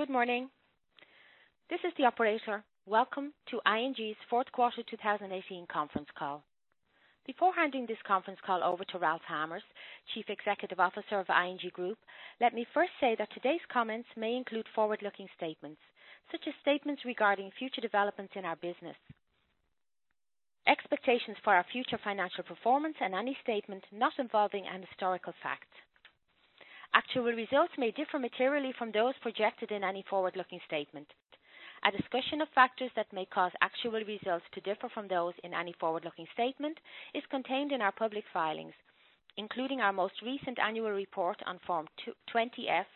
Good morning. This is the operator. Welcome to ING's Fourth Quarter 2018 Conference Call. Before handing this conference call over to Ralph Hamers, Chief Executive Officer of ING Group, let me first say that today's comments may include forward-looking statements, such as statements regarding future developments in our business, expectations for our future financial performance, and any statement not involving an historical fact. Actual results may differ materially from those projected in any forward-looking statement. A discussion of factors that may cause actual results to differ from those in any forward-looking statement is contained in our public filings, including our most recent annual report on Form 20-F,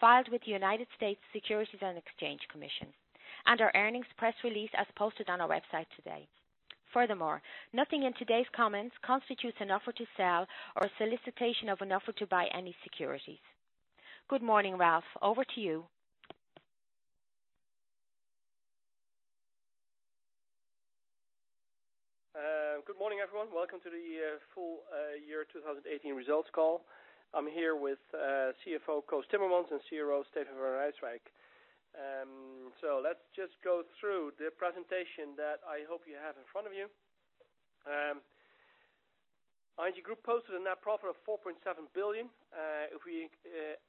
filed with the United States Securities and Exchange Commission, and our earnings press release as posted on our website today. Furthermore, nothing in today's comments constitutes an offer to sell or a solicitation of an offer to buy any securities. Good morning, Ralph. Over to you. Good morning, everyone. Welcome to the full year 2018 results call. I'm here with CFO, Koos Timmermans and CRO, Steven van Rijswijk. Let's just go through the presentation that I hope you have in front of you. ING Group posted a net profit of 4.7 billion. If we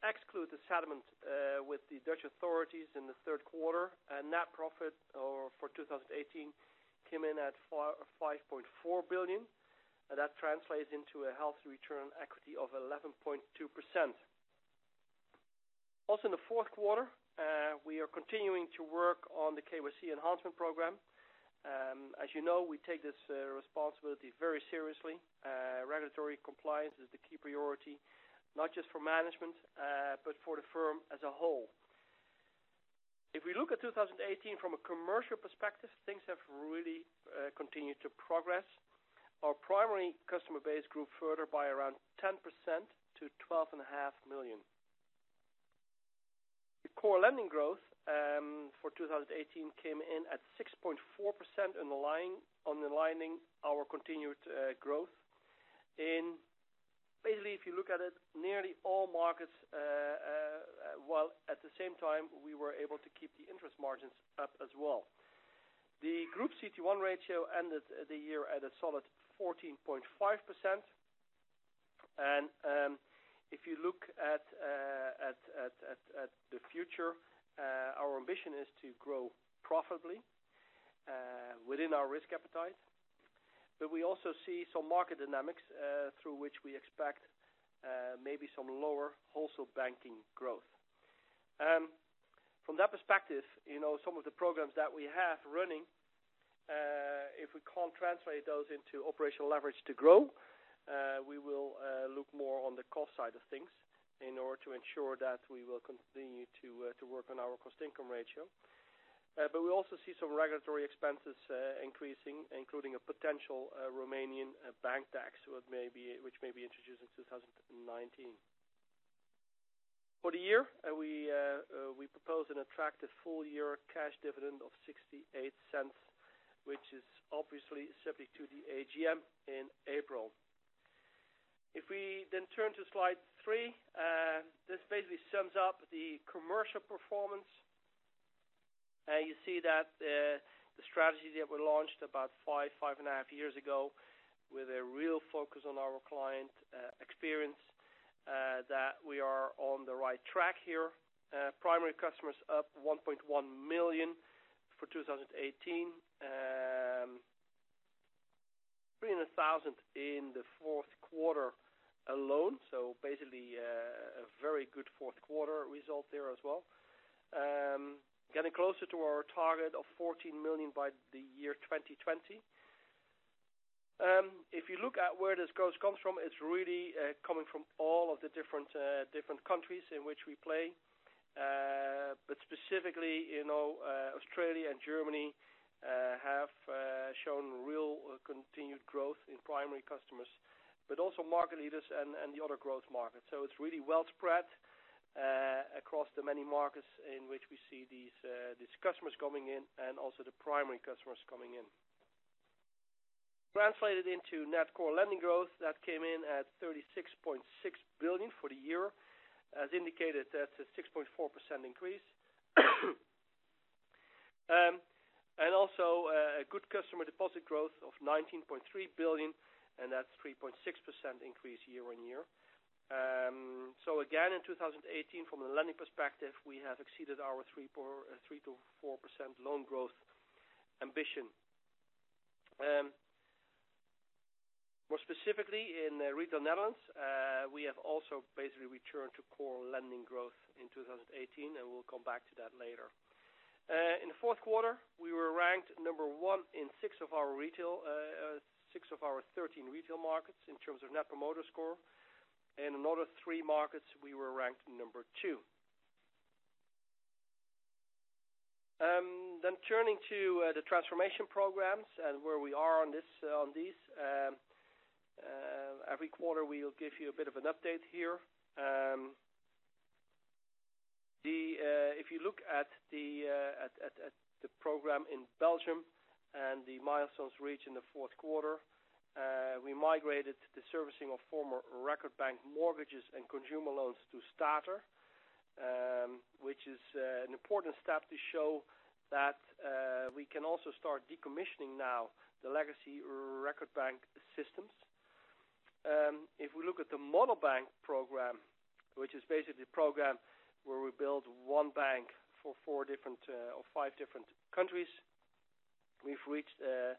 exclude the settlement with the Dutch authorities in the third quarter, net profit for 2018 came in at 5.4 billion. That translates into a healthy return equity of 11.2%. Also in the fourth quarter, we are continuing to work on the KYC enhancement program. As you know, we take this responsibility very seriously. Regulatory compliance is the key priority, not just for management, but for the firm as a whole. If we look at 2018 from a commercial perspective, things have really continued to progress. Our primary customer base grew further by around 10% to 12.5 million. The core lending growth for 2018 came in at 6.4% underlining our continued growth. Basically, if you look at it, nearly all markets, while at the same time, we were able to keep the interest margins up as well. The group CET1 ratio ended the year at a solid 14.5%. If you look at the future, our ambition is to grow profitably within our risk appetite. We also see some market dynamics through which we expect maybe some lower wholesale banking growth. From that perspective, some of the programs that we have running, if we can't translate those into operational leverage to grow, we will look more on the cost side of things in order to ensure that we will continue to work on our cost-income ratio. We also see some regulatory expenses increasing, including a potential Romanian bank tax, which may be introduced in 2019. For the year, we propose an attractive full-year cash dividend of 0.68, which is obviously subject to the AGM in April. If we then turn to slide three, this basically sums up the commercial performance. You see that the strategy that we launched about five and a half years ago with a real focus on our client experience, that we are on the right track here. Primary customers up 1.1 million for 2018, 300,000 in the fourth quarter alone. Basically, a very good fourth quarter result there as well. Getting closer to our target of 14 million by the year 2020. If you look at where this growth comes from, it is really coming from all of the different countries in which we play. Specifically, Australia and Germany have shown real continued growth in primary customers, but also market leaders and the other growth markets. It is really well spread across the many markets in which we see these customers coming in and also the primary customers coming in. Translated into net core lending growth, that came in at 36.6 billion for the year. As indicated, that is a 6.4% increase. Also a good customer deposit growth of 19.3 billion, and that is 3.6% increase year-on-year. Again, in 2018, from a lending perspective, we have exceeded our 3%-4% loan growth ambition. More specifically in Retail Netherlands, we have also basically returned to core lending growth in 2018, and we will come back to that later. In the fourth quarter, we were ranked number one in six of our 13 retail markets in terms of Net Promoter Score. In another three markets, we were ranked number two. Turning to the transformation programs and where we are on these. Every quarter, we will give you a bit of an update here. If you look at the program in Belgium. And the milestones reached in the fourth quarter. We migrated the servicing of former Record Bank mortgages and consumer loans to Starter, which is an important step to show that we can also start decommissioning now the legacy Record Bank systems. If we look at the Model Bank program, which is basically a program where we build one bank for five different countries, we have reached a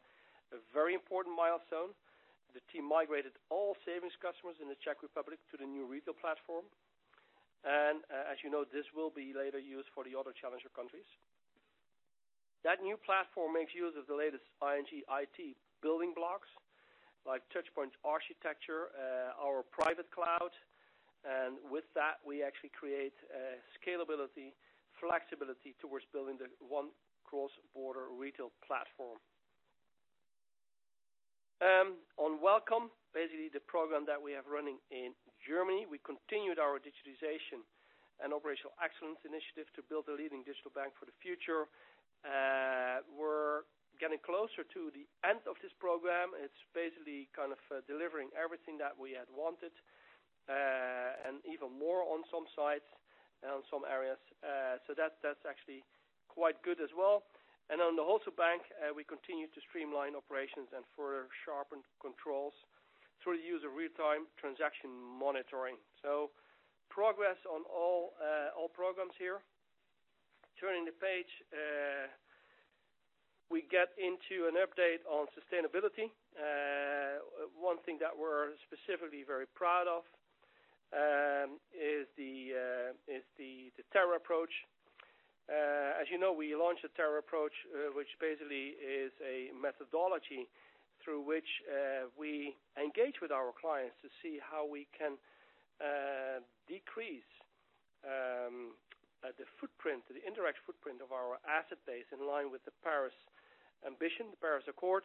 very important milestone. The team migrated all savings customers in the Czech Republic to the new retail platform. As you know, this will be later used for the other challenger countries. That new platform makes use of the latest ING IT building blocks, like touchpoint architecture, our private cloud. With that, we actually create scalability, flexibility towards building the one cross-border retail platform. On Welcome, basically the program that we have running in Germany, we continued our digitization and operational excellence initiative to build a leading digital bank for the future. We are getting closer to the end of this program. It is basically delivering everything that we had wanted, and even more on some sides and on some areas. That is actually quite good as well. On the Wholesale Bank, we continued to streamline operations and further sharpen controls through the use of real-time transaction monitoring. Progress on all programs here. Turning the page, we get into an update on sustainability. One thing that we are specifically very proud of is the Terra approach. As you know, we launched the Terra approach, which basically is a methodology through which we engage with our clients to see how we can decrease the indirect footprint of our asset base in line with the Paris ambition, the Paris Accord.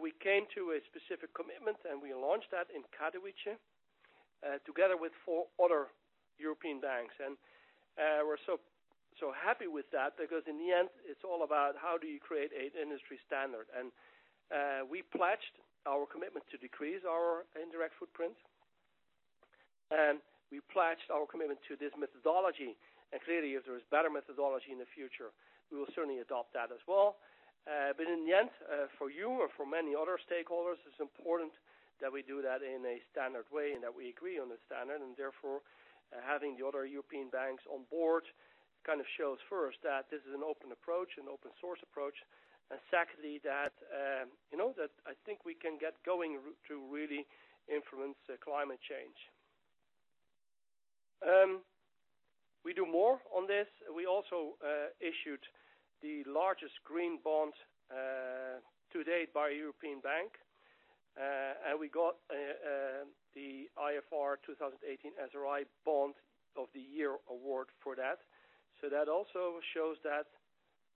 We came to a specific commitment, and we launched that in Katowice together with four other European banks. We are so happy with that because in the end, it is all about how do you create an industry standard. We pledged our commitment to decrease our indirect footprint. We pledged our commitment to this methodology. Clearly, if there is a better methodology in the future, we will certainly adopt that as well. But in the end, for you or for many other stakeholders, it is important that we do that in a standard way and that we agree on the standard. Therefore, having the other European banks on board shows first that this is an open approach, an open source approach, secondly, that I think we can get going to really influence climate change. We do more on this. We also issued the largest green bond to date by a European bank. We got the IFR 2018 SRI Bond of the Year Award for that. That also shows that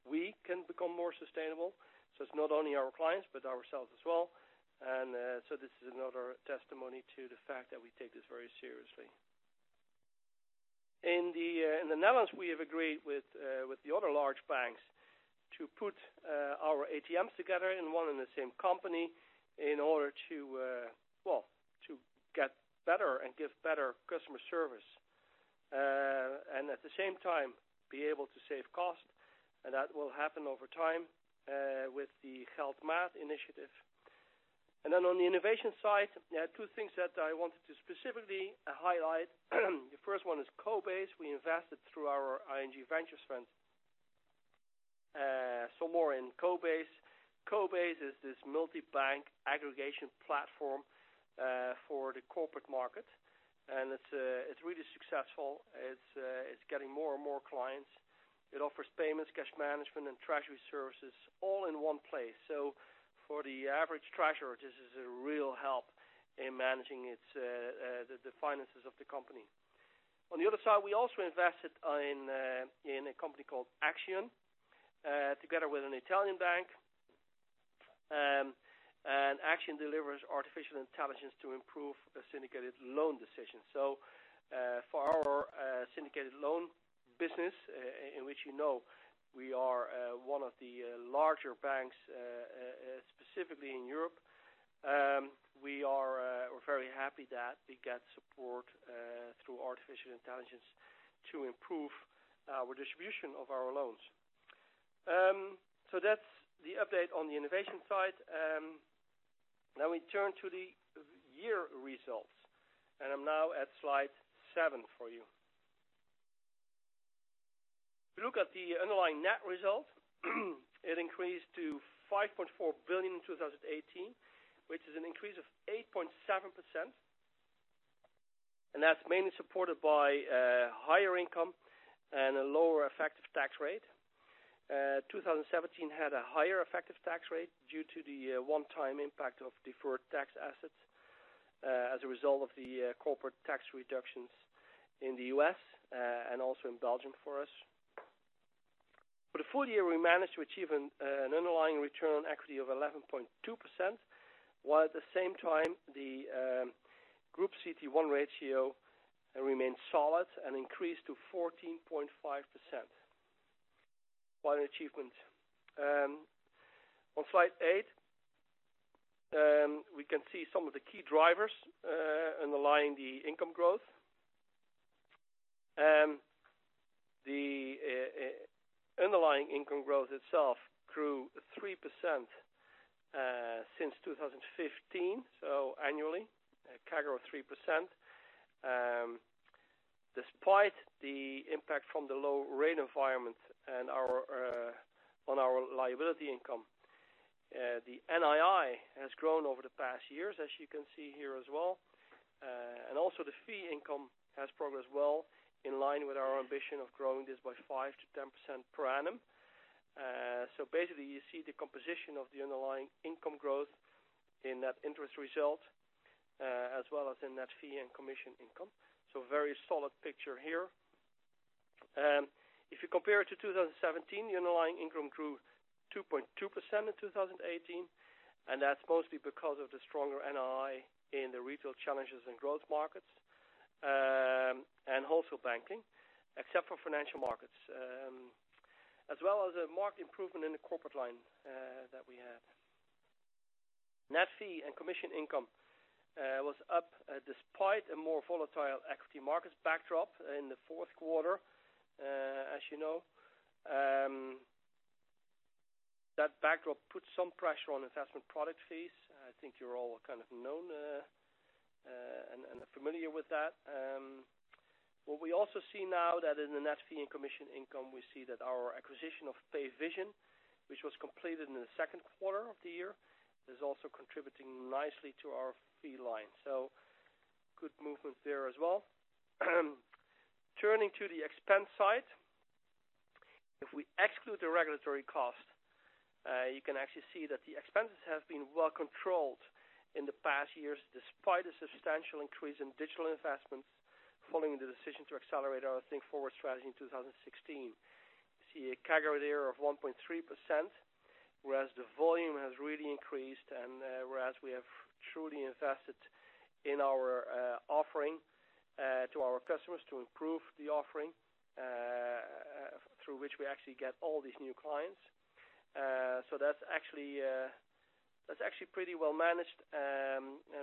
we can become more sustainable. It is not only our clients, but ourselves as well. This is another testimony to the fact that we take this very seriously. In the Netherlands, we have agreed with the other large banks to put our ATMs together in one and the same company in order to get better and give better customer service. At the same time, be able to save costs, and that will happen over time with the Geldmaat initiative. On the innovation side, there are two things that I wanted to specifically highlight. The first one is Cobase. We invested through our ING venture fund. More in Cobase. Cobase is this multibank aggregation platform for the corporate market, and it is really successful. It is getting more and more clients. It offers payments, cash management, and treasury services all in one place. For the average treasurer, this is a real help in managing the finances of the company. On the other side, we also invested in a company called Axyon together with an Italian bank. Axyon delivers artificial intelligence to improve syndicated loan decisions. For our syndicated loan business, in which you know we are one of the larger banks specifically in Europe, we are very happy that we get support through artificial intelligence to improve our distribution of our loans. That is the update on the innovation side. Now we turn to the year results. I am now at slide seven for you. Look at the underlying net result. It increased to 5.4 billion in 2018, which is an increase of 8.7%. That is mainly supported by higher income and a lower effective tax rate. 2017 had a higher effective tax rate due to the one-time impact of deferred tax assets as a result of the corporate tax reductions in the U.S. and also in Belgium for us. For the full year, we managed to achieve an underlying return on equity of 11.2%, while at the same time the Group CET1 ratio remained solid and increased to 14.5%. Quite an achievement. On slide eight, we can see some of the key drivers underlying the income growth. The underlying income growth itself grew 3% since 2015, so annually, a CAGR of 3%, despite the impact from the low-rate environment on our liability income. The NII has grown over the past years, as you can see here as well. Also, the fee income has progressed well, in line with our ambition of growing this by 5%-10% per annum. Basically, you see the composition of the underlying income growth in that interest result, as well as in that fee and commission income. A very solid picture here. If you compare it to 2017, the underlying income grew 2.2% in 2018, That's mostly because of the stronger NII in the Retail Challengers & Growth Markets, and Wholesale Banking, except for Financial Markets, as well as a marked improvement in the Corporate line that we had. Net fee and commission income was up despite a more volatile equity markets backdrop in the fourth quarter, as you know. That backdrop put some pressure on investment product fees. I think you all kind of know and are familiar with that. What we also see now that is in the net fee and commission income, we see that our acquisition of Payvision, which was completed in the second quarter of the year, is also contributing nicely to our fee line. Good movement there as well. Turning to the expense side. If we exclude the regulatory cost, you can actually see that the expenses have been well controlled in the past years, despite a substantial increase in digital investments following the decision to accelerate our Think Forward strategy in 2016. You see a CAGR there of 1.3%, whereas the volume has really increased and whereas we have truly invested in our offering to our customers to improve the offering, through which we actually get all these new clients. That's actually pretty well managed.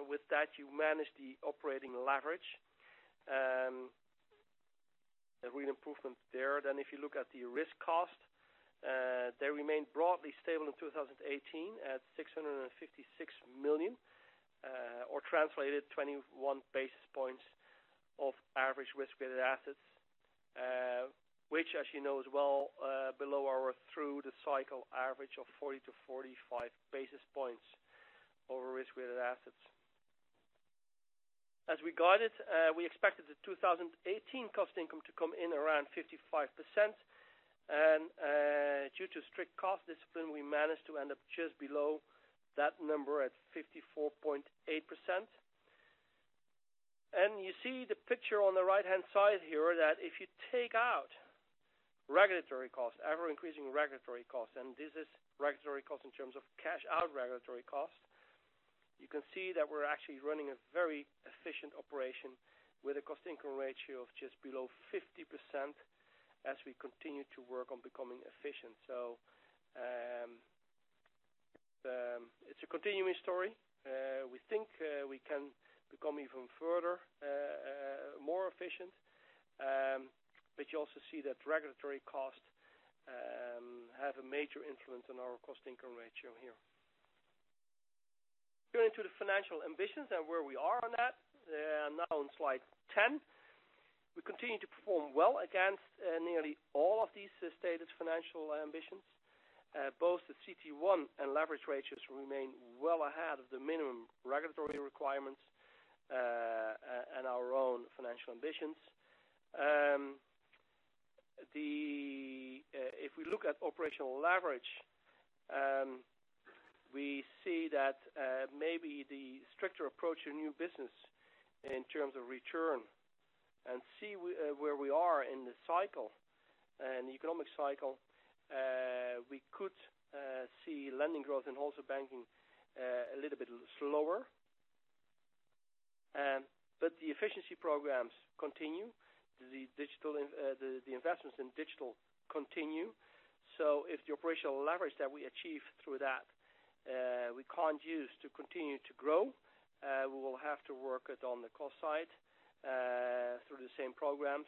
With that, you manage the operating leverage. A real improvement there. If you look at the risk cost, they remained broadly stable in 2018 at 656 million, or translated 21 basis points of average risk-weighted assets, which, as you know, is well below or through the cycle average of 40-45 basis points over risk-weighted assets. As regarded, we expected the 2018 cost income to come in around 55%. Due to strict cost discipline, we managed to end up just below that number at 54.8%. You see the picture on the right-hand side here that if you take out regulatory costs, ever-increasing regulatory costs, and this is regulatory costs in terms of cash-out regulatory costs, you can see that we're actually running a very efficient operation with a cost-income ratio of just below 50% as we continue to work on becoming efficient. It's a continuing story. We think we can become even further more efficient, You also see that regulatory costs have a major influence on our cost-income ratio here. Going into the financial ambitions and where we are on that, now on slide 10. We continue to perform well against nearly all of these stated financial ambitions. Both the CET1 and leverage ratios remain well ahead of the minimum regulatory requirements and our own financial ambitions. If we look at operational leverage, we see that maybe the stricter approach to new business in terms of return and see where we are in the cycle, in the economic cycle, we could see lending growth and also banking a little bit slower. The efficiency programs continue. The investments in digital continue. If the operational leverage that we achieve through that, we can't use to continue to grow, we will have to work it on the cost side through the same programs.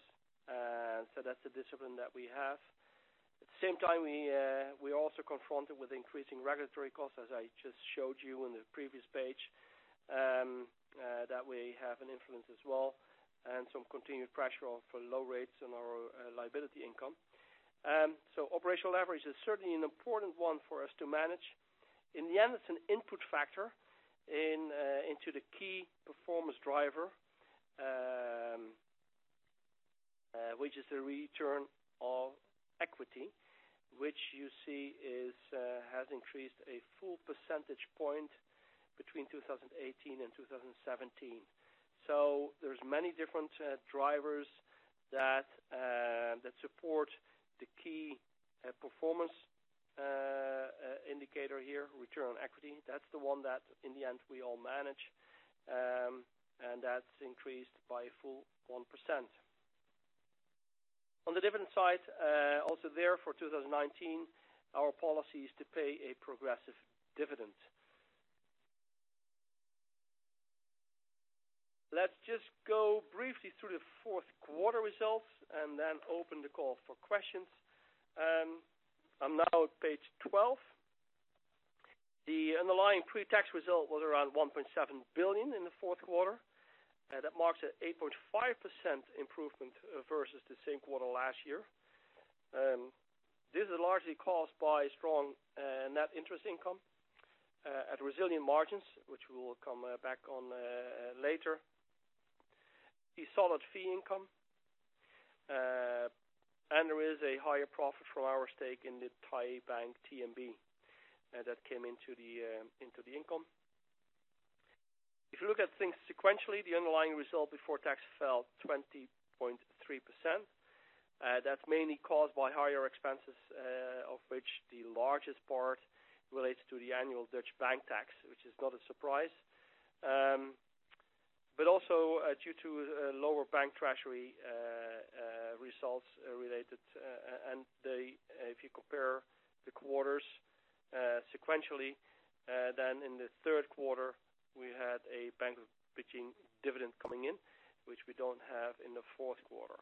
That's the discipline that we have. At the same time, we're also confronted with increasing regulatory costs, as I just showed you on the previous page, that we have an influence as well, and some continued pressure for low rates on our liability income. Operational leverage is certainly an important one for us to manage. In the end, it's an input factor into the key performance driver, which is the return on equity, which you see has increased a full percentage point between 2018 and 2017. There's many different drivers that support performance indicator here, return on equity. That's the one that in the end we all manage, and that's increased by a full 1%. On the dividend side, also there for 2019, our policy is to pay a progressive dividend. Let's just go briefly through the fourth quarter results and then open the call for questions. I'm now at page 12. The underlying pre-tax result was around 1.7 billion in the fourth quarter. That marks an 8.5% improvement versus the same quarter last year. This is largely caused by strong net interest income at resilient margins, which we will come back on later. The solid fee income, and there is a higher profit from our stake in the Thai bank TMB, that came into the income. If you look at things sequentially, the underlying result before tax fell 20.3%. That's mainly caused by higher expenses, of which the largest part relates to the annual Dutch bank tax, which is not a surprise. Also due to lower bank treasury results related, and if you compare the quarters sequentially, then in the third quarter, we had a Bank of Beijing dividend coming in, which we don't have in the fourth quarter.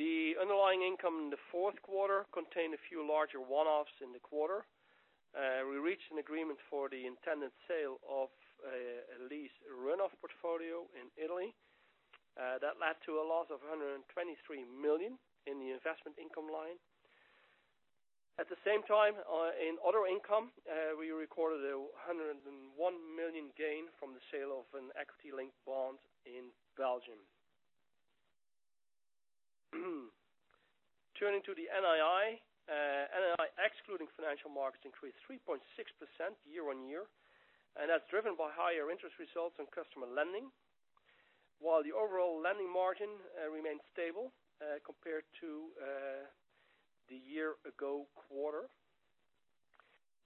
The underlying income in the fourth quarter contained a few larger one-offs in the quarter. We reached an agreement for the intended sale of a lease runoff portfolio in Italy. That led to a loss of 123 million in the investment income line. At the same time, in other income, we recorded a 101 million gain from the sale of an equity-linked bond in Belgium. Turning to the NII. NII excluding financial markets increased 3.6% year-on-year, and that's driven by higher interest results on customer lending, while the overall lending margin remained stable compared to the year ago quarter.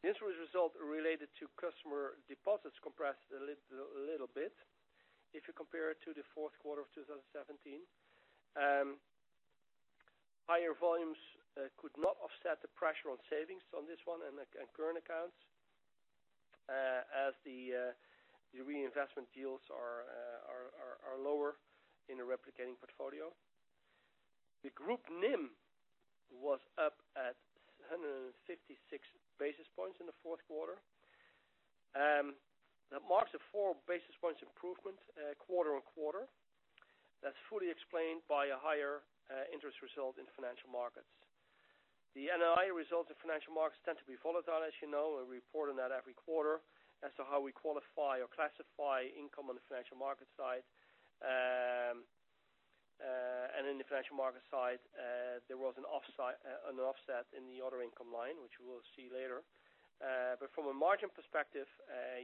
This was a result related to customer deposits compressed a little bit if you compare it to the fourth quarter of 2017. Higher volumes could not offset the pressure on savings on this one and current accounts as the reinvestment deals are lower in the replicating portfolio. The group NIM was up at 156 basis points in the fourth quarter. That marks a 4 basis points improvement quarter-on-quarter. That's fully explained by a higher interest result in financial markets. The NII results of financial markets tend to be volatile, as you know. We report on that every quarter as to how we qualify or classify income on the financial market side. In the financial market side, there was an offset in the other income line, which we will see later. From a margin perspective,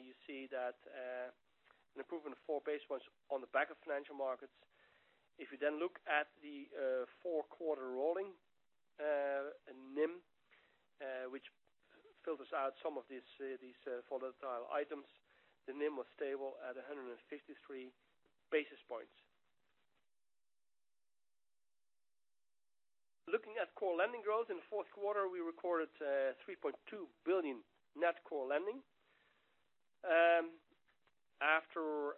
you see that an improvement of 4 basis points on the back of financial markets. If you look at the four-quarter rolling NIM which filters out some of these volatile items, the NIM was stable at 153 basis points. Looking at core lending growth, in the fourth quarter, we recorded 3.2 billion net core lending. After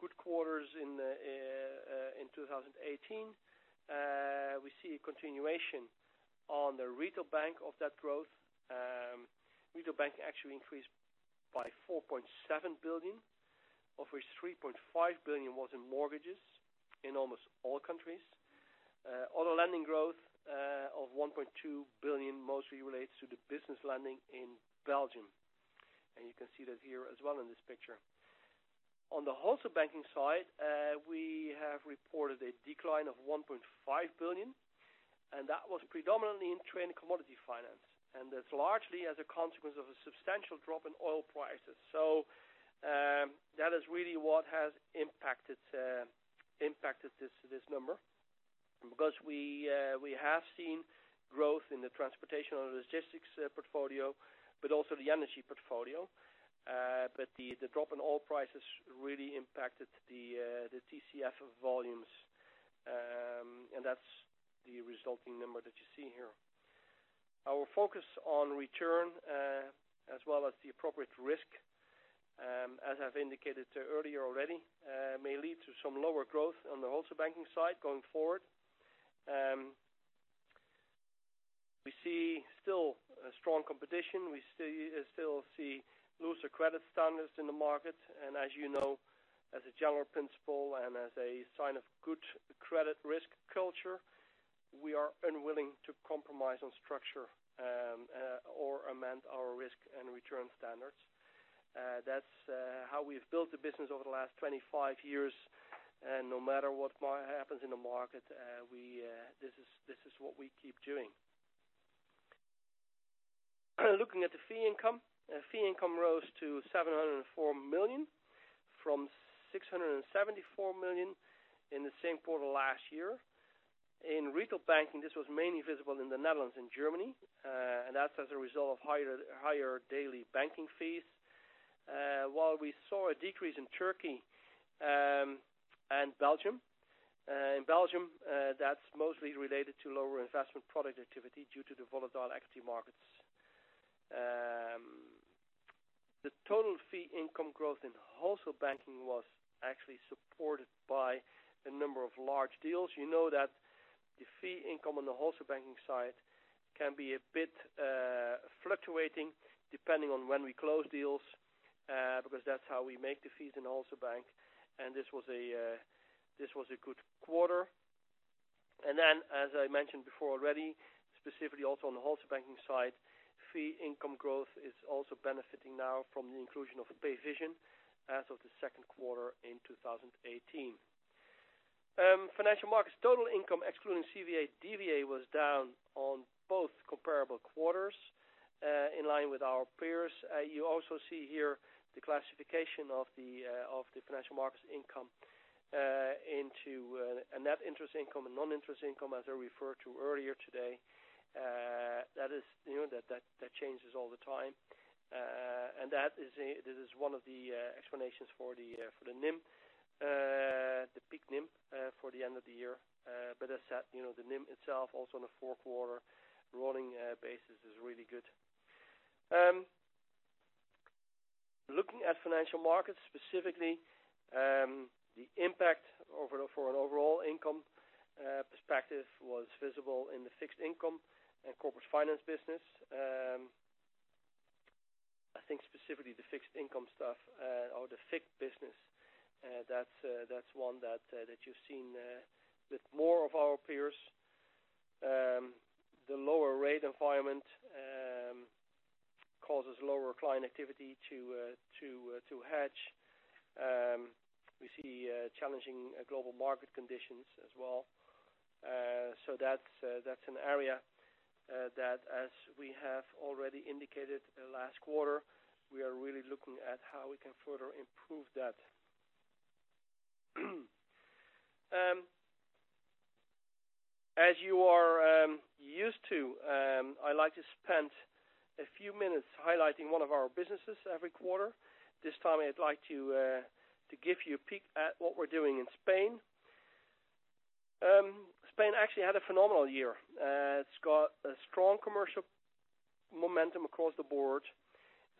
good quarters in 2018, we see a continuation on the retail bank of that growth. Retail bank actually increased by 4.7 billion, of which 3.5 billion was in mortgages in almost all countries. Other lending growth of 1.2 billion mostly relates to the business lending in Belgium, you can see that here as well in this picture. On the wholesale banking side, we have reported a decline of 1.5 billion, that was predominantly in trade and commodity finance, that is largely as a consequence of a substantial drop in oil prices. That is really what has impacted this number. We have seen growth in the transportation and logistics portfolio, but also the energy portfolio. The drop in oil prices really impacted the TCF of volumes, that is the resulting number that you see here. Our focus on return, as well as the appropriate risk, as I have indicated earlier already, may lead to some lower growth on the wholesale banking side going forward. We see still a strong competition. We still see looser credit standards in the market, as you know, as a general principle and as a sign of good credit risk culture, we are unwilling to compromise on structure or amend our risk and return standards. That is how we have built the business over the last 25 years, no matter what happens in the market, this is what we keep doing. Looking at the fee income. Fee income rose to 704 million from 674 million in the same quarter last year. In retail banking, this was mainly visible in the Netherlands and Germany, that is as a result of higher daily banking fees. While we saw a decrease in Turkey and Belgium. In Belgium, that is mostly related to lower investment product activity due to the volatile equity markets. The total fee income growth in wholesale banking was actually supported by the number of large deals. You know that the fee income on the wholesale banking side can be a bit fluctuating depending on when we close deals, that is how we make the fees in wholesale bank, this was a good quarter. As I mentioned before already, specifically also on the wholesale banking side, fee income growth is also benefiting now from the inclusion of Payvision as of the second quarter in 2018. Financial markets total income, excluding CVA, DVA, was down on both comparable quarters, in line with our peers. You also see here the classification of the financial markets income into a net interest income and non-interest income, as I referred to earlier today. That changes all the time. That is one of the explanations for the peak NIM for the end of the year. As I said, the NIM itself also on a four-quarter rolling basis is really good. Looking at financial markets, specifically, the impact for an overall income perspective was visible in the fixed income and corporate finance business. Specifically, the FIC business, that's one that you've seen with more of our peers. The lower rate environment causes lower client activity to hedge. We see challenging global market conditions as well. That's an area that, as we have already indicated last quarter, we are really looking at how we can further improve that. As you are used to, I like to spend a few minutes highlighting one of our businesses every quarter. This time, I'd like to give you a peek at what we're doing in Spain. Spain actually had a phenomenal year. It's got a strong commercial momentum across the board.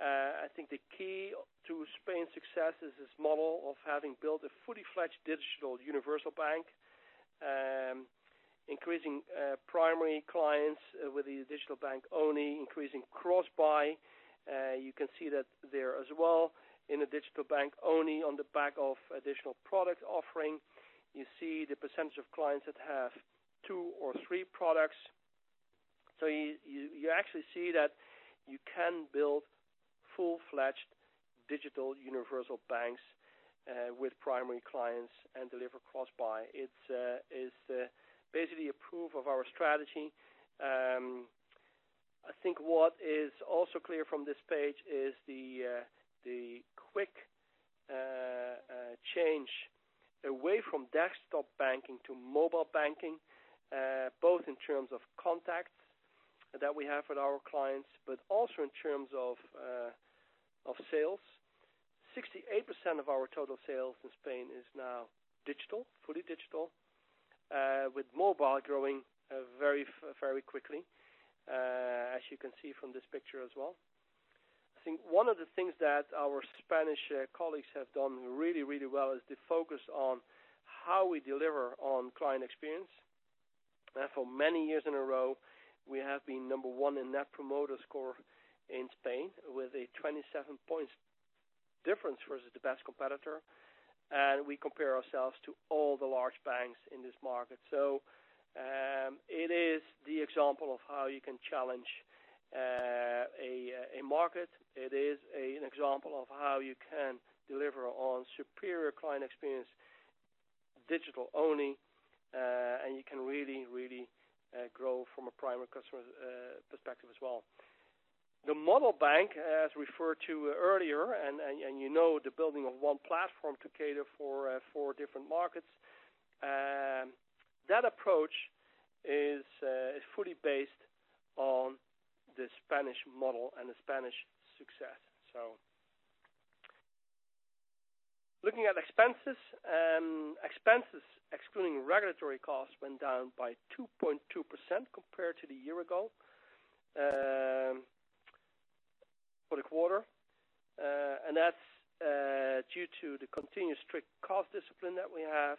The key to Spain's success is this model of having built a fully fledged digital universal bank. Increasing primary clients with the digital bank only, increasing cross-buy. You can see that there as well in the digital bank only on the back of additional product offering. You see the percentage of clients that have two or three products. You actually see that you can build full-fledged digital universal banks with primary clients and deliver cross-buy. It's basically a proof of our strategy. What is also clear from this page is the quick change away from desktop banking to mobile banking, both in terms of contacts that we have with our clients, but also in terms of sales. 68% of our total sales in Spain is now fully digital, with mobile growing very quickly, as you can see from this picture as well. One of the things that our Spanish colleagues have done really well is the focus on how we deliver on client experience. For many years in a row, we have been number one in Net Promoter Score in Spain with a 27-point difference versus the best competitor, and we compare ourselves to all the large banks in this market. It is the example of how you can challenge a market. It is an example of how you can deliver on superior client experience digital only, and you can really grow from a primary customer perspective as well. The Model Bank, as referred to earlier, and you know the building of one platform to cater for four different markets, that approach is fully based on the Spanish model and the Spanish success. Looking at expenses. Expenses, excluding regulatory costs, went down by 2.2% compared to the year ago for the quarter. That's due to the continuous strict cost discipline that we have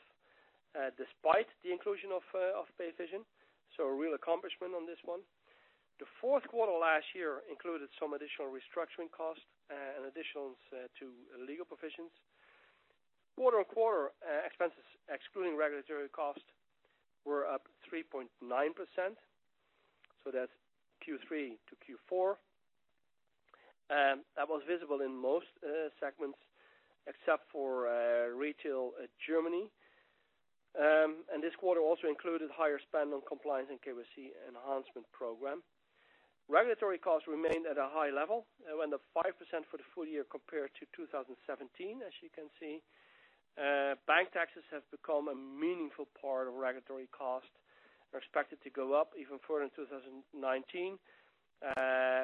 despite the inclusion of Payvision, so a real accomplishment on this one. The fourth quarter last year included some additional restructuring costs and additions to legal provisions. Quarter-on-quarter expenses, excluding regulatory costs, were up 3.9%, so that's Q3 to Q4. That was visible in most segments, except for Retail Germany. This quarter also included higher spend on compliance and KYC enhancement program. Regulatory costs remained at a high level, around 5% for the full year compared to 2017, as you can see. Bank taxes have become a meaningful part of regulatory cost. They're expected to go up even further in 2019,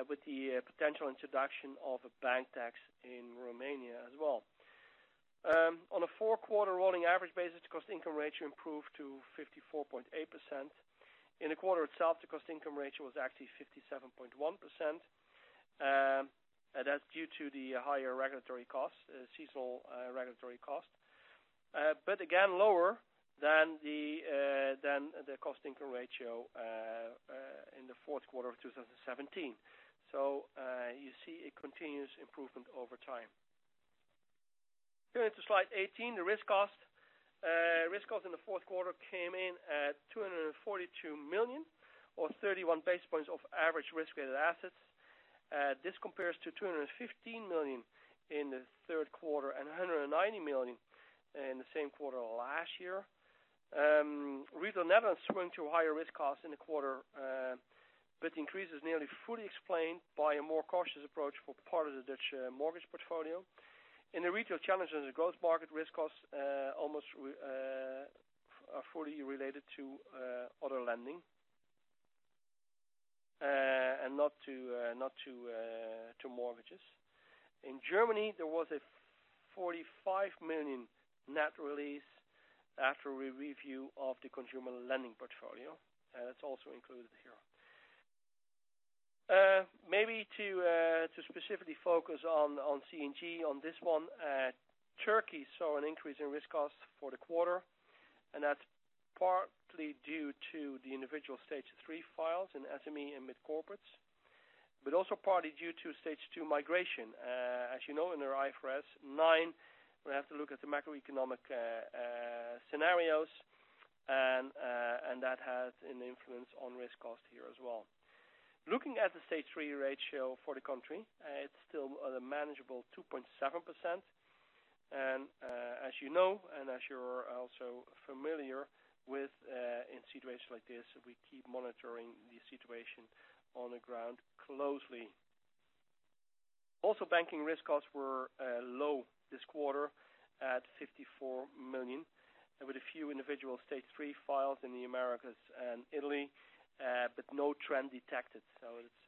with the potential introduction of a bank tax in Romania as well. On a four-quarter rolling average basis, cost-income ratio improved to 54.8%. In the quarter itself, the cost-income ratio was actually 57.1%, That's due to the higher seasonal regulatory cost. Again, lower than the cost-income ratio in the fourth quarter of 2017. You see a continuous improvement over time. Going to slide 18, the risk costs in the fourth quarter came in at 242 million or 31 basis points of average risk-weighted assets. This compares to 215 million in the third quarter and 190 million in the same quarter last year. Retail Netherlands went through a higher risk cost in the quarter, but the increase is nearly fully explained by a more cautious approach for part of the Dutch mortgage portfolio. In the retail Challengers & Growth market risk costs are fully related to other lending, and not to mortgages. In Germany, there was a 45 million net release after a review of the consumer lending portfolio. That's also included here. Maybe to specifically focus on C&G on this one, Turkey saw an increase in risk costs for the quarter, That's partly due to the individual Stage 3 files in SME and mid corporates, Also partly due to Stage 2 migration. As you know, under IFRS 9, we have to look at the macroeconomic scenarios, That has an influence on risk cost here as well. Looking at the Stage 3 ratio for the country, it's still at a manageable 2.7%. As you know, as you're also familiar with in situations like this, we keep monitoring the situation on the ground closely. Also, banking risk costs were low this quarter at 54 million, With a few individual Stage 3 files in the Americas and Italy, No trend detected. It's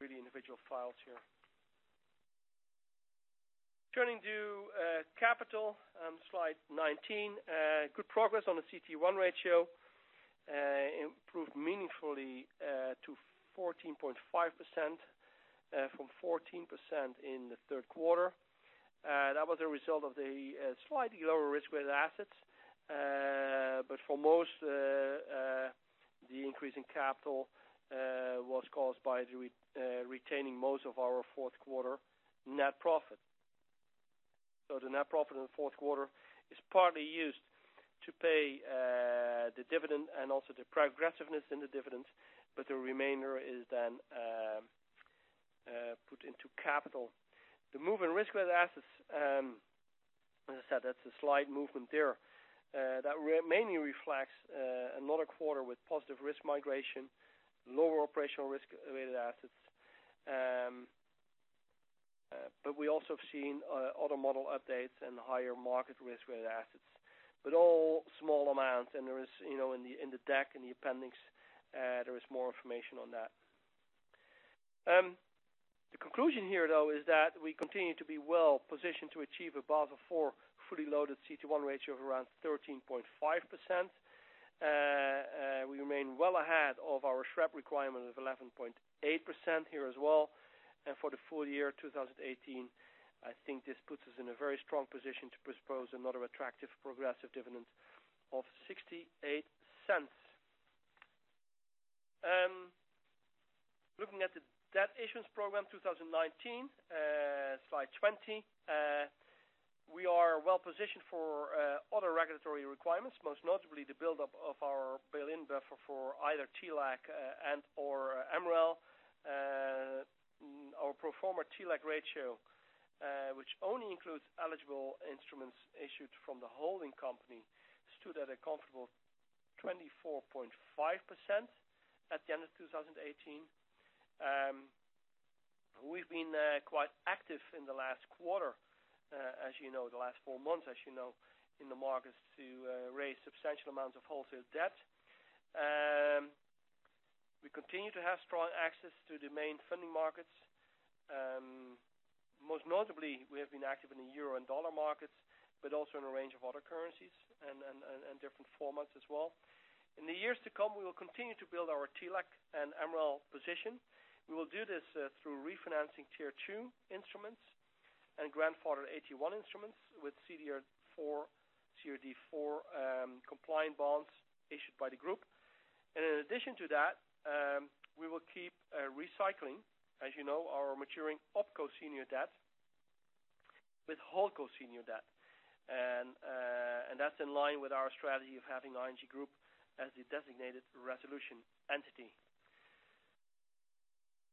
really individual files here. Turning to capital, slide 19. Good progress on the CET1 ratio, improved meaningfully to 14.5% from 14% in the third quarter. That was a result of the slightly lower risk-weighted assets. For most, the increase in capital was caused by retaining most of our fourth quarter net profit. The net profit in the fourth quarter is partly used to pay the dividend and also the progressiveness in the dividends, the remainder is then put into capital. The move in risk-weighted assets, as I said, that's a slight movement there. That mainly reflects another quarter with positive risk migration, lower operational risk-weighted assets. We also have seen other model updates and higher market risk-weighted assets, all small amounts, in the deck, in the appendix, there is more information on that. The conclusion here, though, is that we continue to be well-positioned to achieve a Basel IV fully loaded CET1 ratio of around 13.5%. We remain well ahead of our SREP requirement of 11.8% here as well. For the full year 2018, I think this puts us in a very strong position to propose another attractive progressive dividend of 0.68. Looking at the debt issuance program 2019, slide 20. We are well-positioned for other regulatory requirements, most notably the buildup of our bail-in buffer for either TLAC and/or MREL. Our pro forma TLAC ratio, which only includes eligible instruments issued from the holding company, stood at a comfortable 24.5% at the end of 2018. We've been quite active in the last quarter, the last four months, as you know, in the markets to raise substantial amounts of wholesale debt. We continue to have strong access to the main funding markets. Most notably, we have been active in the euro and dollar markets, but also in a range of other currencies and different formats as well. In the years to come, we will continue to build our TLAC and MREL position. We will do this through refinancing Tier 2 instruments and grandfather AT1 instruments with CRD IV compliant bonds issued by the group. In addition to that, we will keep recycling, as you know, our maturing opco senior debt with holdco senior debt. That's in line with our strategy of having ING Group as the designated resolution entity.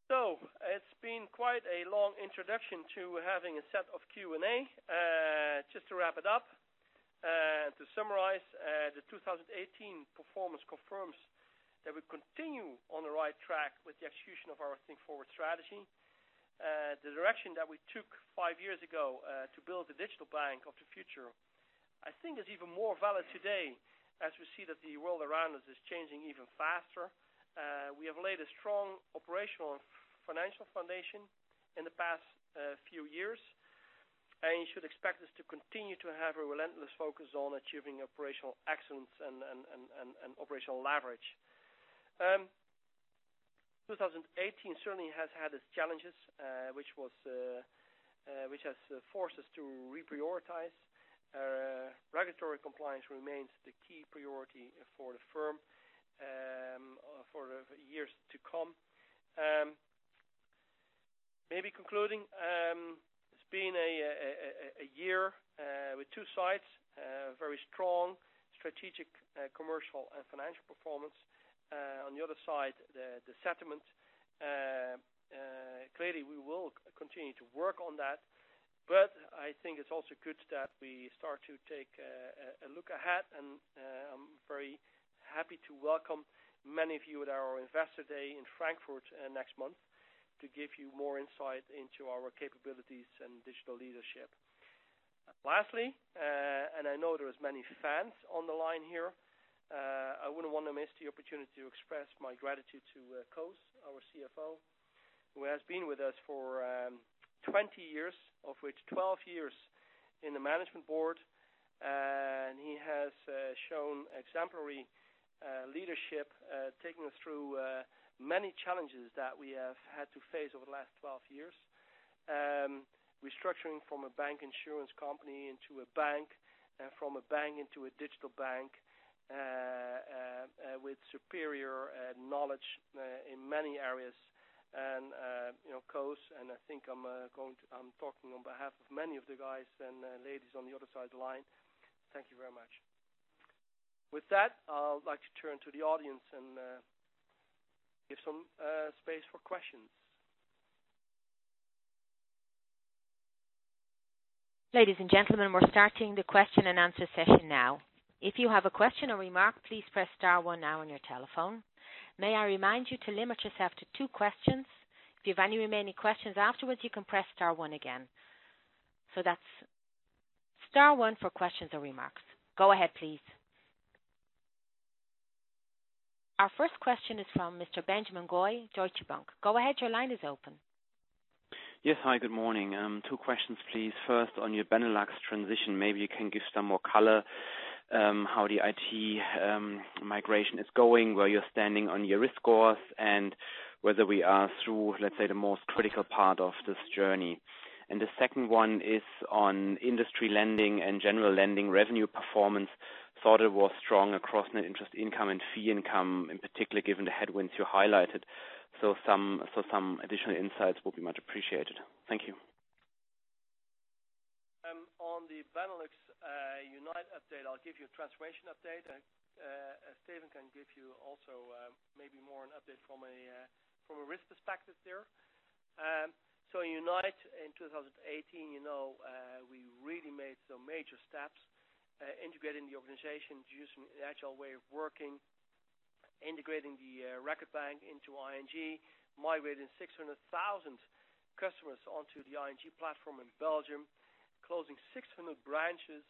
It's been quite a long introduction to having a set of Q&A. Just to wrap it up, to summarize, the 2018 performance confirms that we continue on the right track with the execution of our Think Forward strategy. The direction that we took five years ago, to build the digital bank of the future, I think is even more valid today as we see that the world around us is changing even faster. We have laid a strong operational and financial foundation in the past few years, and you should expect us to continue to have a relentless focus on achieving operational excellence and operational leverage. 2018 certainly has had its challenges, which has forced us to reprioritize. Regulatory compliance remains the key priority for the firm for the years to come. Maybe concluding, it's been a year with two sides, a very strong strategic, commercial, and financial performance. On the other side, the settlement, clearly we will continue to work on that. I think it's also good that we start to take a look ahead, and I'm very happy to welcome many of you at our Investor Day in Frankfurt next month to give you more insight into our capabilities and digital leadership. Lastly, I know there's many fans on the line here, I wouldn't want to miss the opportunity to express my gratitude to Koos, our CFO, who has been with us for 20 years, of which 12 years in the management board. He has shown exemplary leadership, taking us through many challenges that we have had to face over the last 12 years. Restructuring from a bank insurance company into a bank, from a bank into a digital bank, with superior knowledge in many areas. Koos, I think I'm talking on behalf of many of the guys and ladies on the other side of the line, thank you very much. With that, I would like to turn to the audience and give some space for questions. Ladies and gentlemen, we're starting the question and answer session now. If you have a question or remark, please press star one now on your telephone. May I remind you to limit yourself to two questions. If you have any remaining questions afterwards, you can press star one again. That's star one for questions or remarks. Go ahead, please. Our first question is from Mr. Benjamin Goy, Deutsche Bank. Go ahead, your line is open. Yes. Hi, good morning. Two questions, please. First, on your Benelux transition, maybe you can give some more color how the IT migration is going, where you're standing on your risk scores, and whether we are through, let's say, the most critical part of this journey. The second one is on industry lending and general lending revenue performance. Thought it was strong across net interest income and fee income, in particular, given the headwinds you highlighted. Some additional insights will be much appreciated. Thank you. On the Benelux Unite update, I'll give you a transformation update. Steven can give you also maybe more an update from a risk perspective there. Unite in 2018, we really made some major steps integrating the organization using the Agile way of working, integrating the Record Bank into ING, migrating 600,000 customers onto the ING platform in Belgium, closing 600 branches.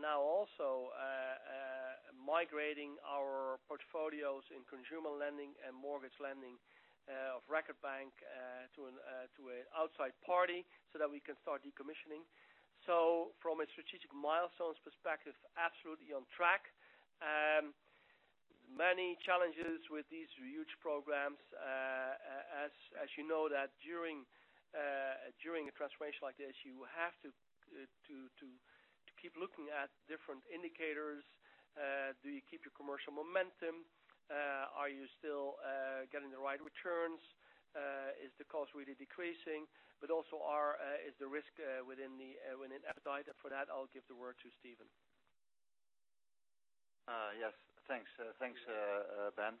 Now also migrating our portfolios in consumer lending and mortgage lending of Record Bank to an outside party so that we can start decommissioning. From a strategic milestones perspective, absolutely on track. Many challenges with these huge programs, as you know that during a transformation like this, you have to keep looking at different indicators. Do you keep your commercial momentum? Are you still getting the right returns? Is the cost really decreasing? Also is the risk within appetite. For that, I'll give the word to Steven. Yes. Thanks, Ben.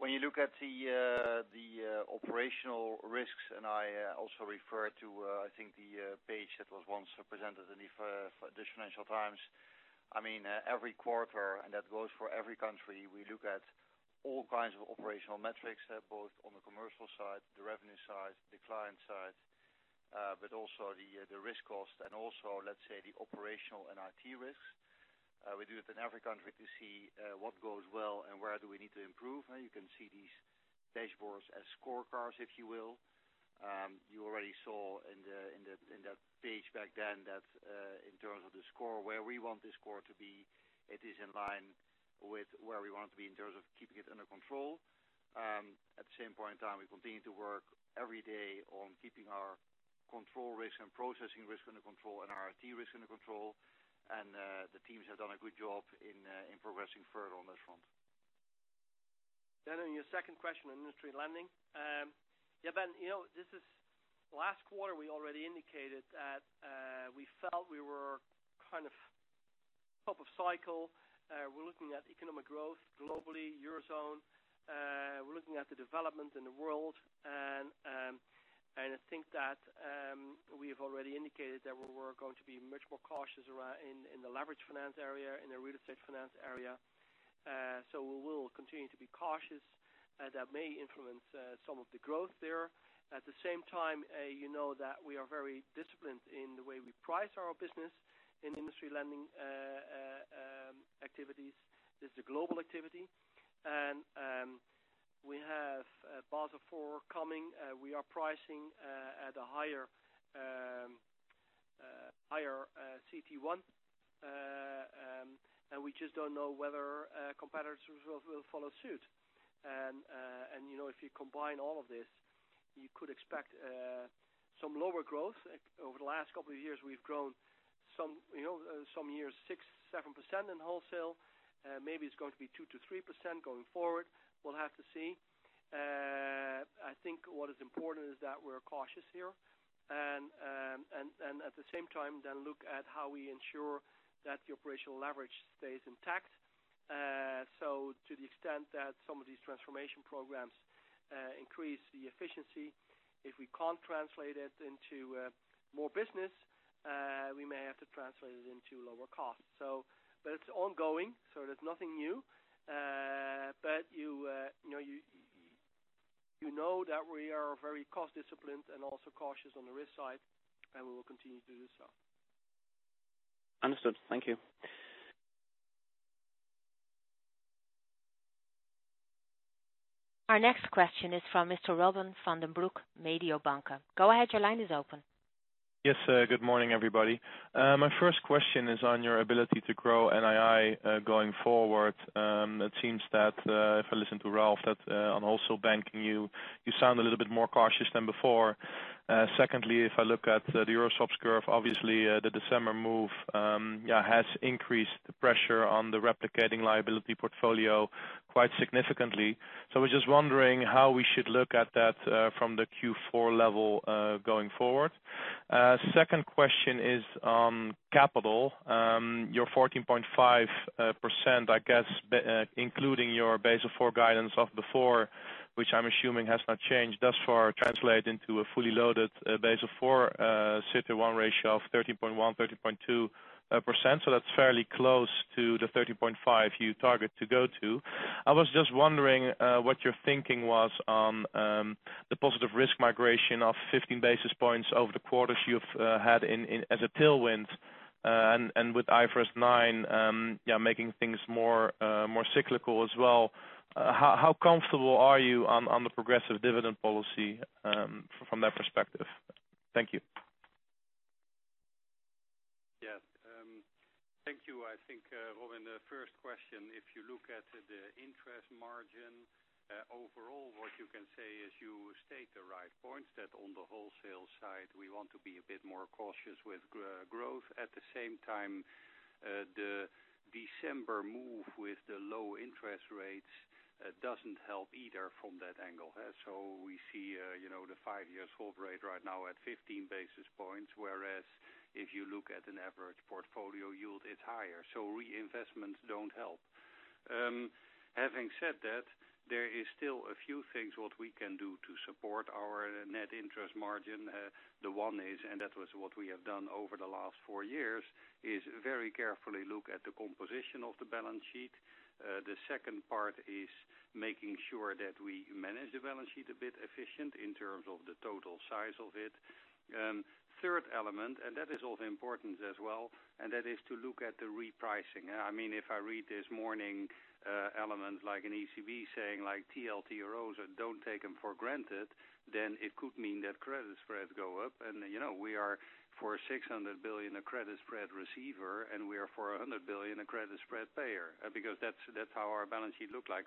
When you look at the operational risks, I also refer to, I think the page that was once presented in the Financial Times, every quarter, and that goes for every country, we look at all kinds of operational metrics, both on the commercial side, the revenue side, the client side, but also the risk cost and also, let's say, the operational and IT risks. We do it in every country to see what goes well and where do we need to improve. You can see these dashboards as scorecards, if you will. You already saw in that page back then that in terms of the score, where we want the score to be, it is in line with where we want it to be in terms of keeping it under control. At the same point in time, we continue to work every day on keeping our control risk and processing risk under control and our IT risk under control. The teams have done a good job in progressing further on that front. On your second question on industry lending. Yeah, Ben, last quarter we already indicated that we felt we were kind of top of cycle. We're looking at economic growth globally, Eurozone. We're looking at the development in the world, I think that we have already indicated that we were going to be much more cautious in the leverage finance area, in the real estate finance area. We will continue to be cautious, and that may influence some of the growth there. At the same time, you know that we are very disciplined in the way we price our business in industry lending activities. This is a global activity; we have Basel IV coming. We are pricing at a higher CET1, we just don't know whether competitors will follow suit. If you combine all of this, you could expect some lower growth. Over the last couple of years, we've grown some years 6%, 7% in wholesale. Maybe it's going to be 2%-3% going forward. We'll have to see. I think what is important is that we're cautious here, at the same time then look at how we ensure that the operational leverage stays intact. To the extent that some of these transformation programs increase the efficiency, if we can't translate it into more business, we may have to translate it into lower costs. It's ongoing, there's nothing new. You know that we are very cost disciplined and also cautious on the risk side, we will continue to do so. Understood. Thank you. Our next question is from Mr. Robin van den Broek, Mediobanca. Go ahead, your line is open. Yes, good morning, everybody. My first question is on your ability to grow NII going forward. It seems that if I listen to Ralph, that on wholesale banking, you sound a little bit more cautious than before. Secondly, if I look at the Euro swaps curve, obviously, the December move has increased the pressure on the replicating liability portfolio quite significantly. I was just wondering how we should look at that from the Q4 level going forward. Second question is on capital. Your 14.5%, I guess, including your Basel IV guidance of before, which I'm assuming has not changed thus far, translate into a fully loaded Basel IV CET1 ratio of 13.1%, 13.2%. That's fairly close to the 13.5% you target to go to. I was just wondering what your thinking was on the positive risk migration of 15 basis points over the quarters you've had as a tailwind, with IFRS 9 making things more cyclical as well. How comfortable are you on the progressive dividend policy from that perspective? Thank you. Yes. Thank you. I think, Robin, the first question, if you look at the interest margin overall, what you can say is you state the right points, that on the wholesale side, we want to be a bit more cautious with growth. The December move with the low interest rates doesn't help either from that angle. We see the five-year swap rate right now at 15 basis points, whereas if you look at an average portfolio yield, it's higher. Reinvestments don't help. Having said that, there is still a few things what we can do to support our net interest margin. The one is, and that was what we have done over the last four years, is very carefully look at the composition of the balance sheet. The second part is making sure that we manage the balance sheet a bit efficient in terms of the total size of it. Third element, that is also important as well, and that is to look at the repricing. If I read this morning element like an ECB saying like TLTROs, don't take them for granted, then it could mean that credit spreads go up, and we are for 600 billion a credit spread receiver, and we are for 100 billion a credit spread payer, because that's how our balance sheet look like.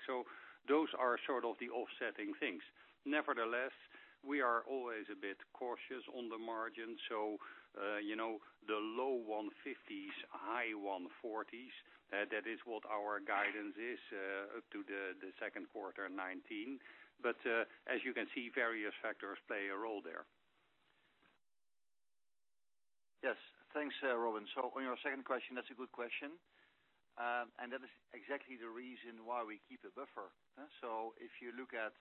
Those are sort of the offsetting things. Nevertheless, we are always a bit cautious on the margin. The low 150s, high 140s, that is what our guidance is to the second quarter 2019. As you can see, various factors play a role there. Yes. Thanks, Robin. On your second question, that's a good question. That is exactly the reason why we keep a buffer. If you look at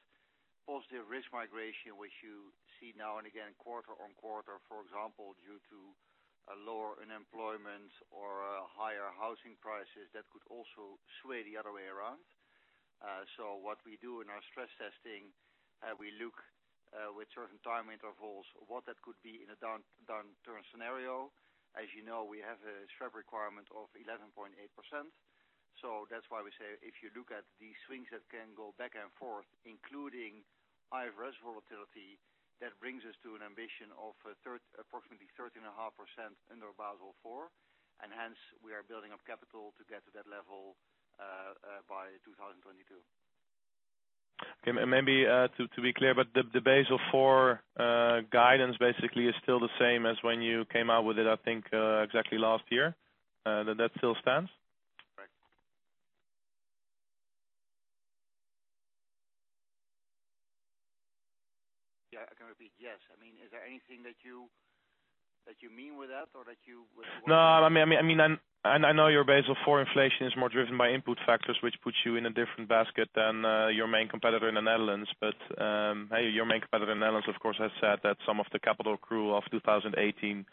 positive risk migration, which you see now and again, quarter on quarter, for example, due to a lower unemployment or higher housing prices, that could also sway the other way around. What we do in our stress testing, we look with certain time intervals, what that could be in a downturn scenario. As you know, we have a SREP requirement of 11.8%. That's why we say if you look at these swings that can go back and forth, including IFRS volatility, that brings us to an ambition of approximately 13.5% under Basel IV, and hence we are building up capital to get to that level by 2022. Maybe to be clear, the Basel IV guidance basically is still the same as when you came out with it, I think exactly last year, that still stands? Right. Yeah. I can repeat, yes. Is there anything that you mean with that? I know your Basel IV inflation is more driven by input factors, which puts you in a different basket than your main competitor in the Netherlands. Your main competitor in the Netherlands, of course, has said that some of the capital accrual of 2018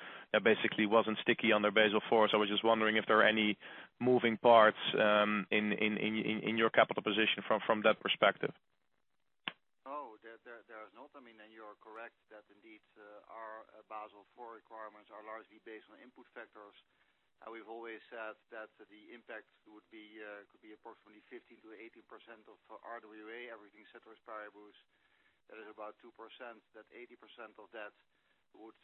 basically wasn't sticky on their Basel IV. I was just wondering if there are any moving parts in your capital position from that perspective. There is not. You are correct that indeed, our Basel IV requirements are largely based on input factors. We've always said that the impact could be approximately 15%-18% of RWA, everything cetera paribus. That is about 2%, that 80% of that would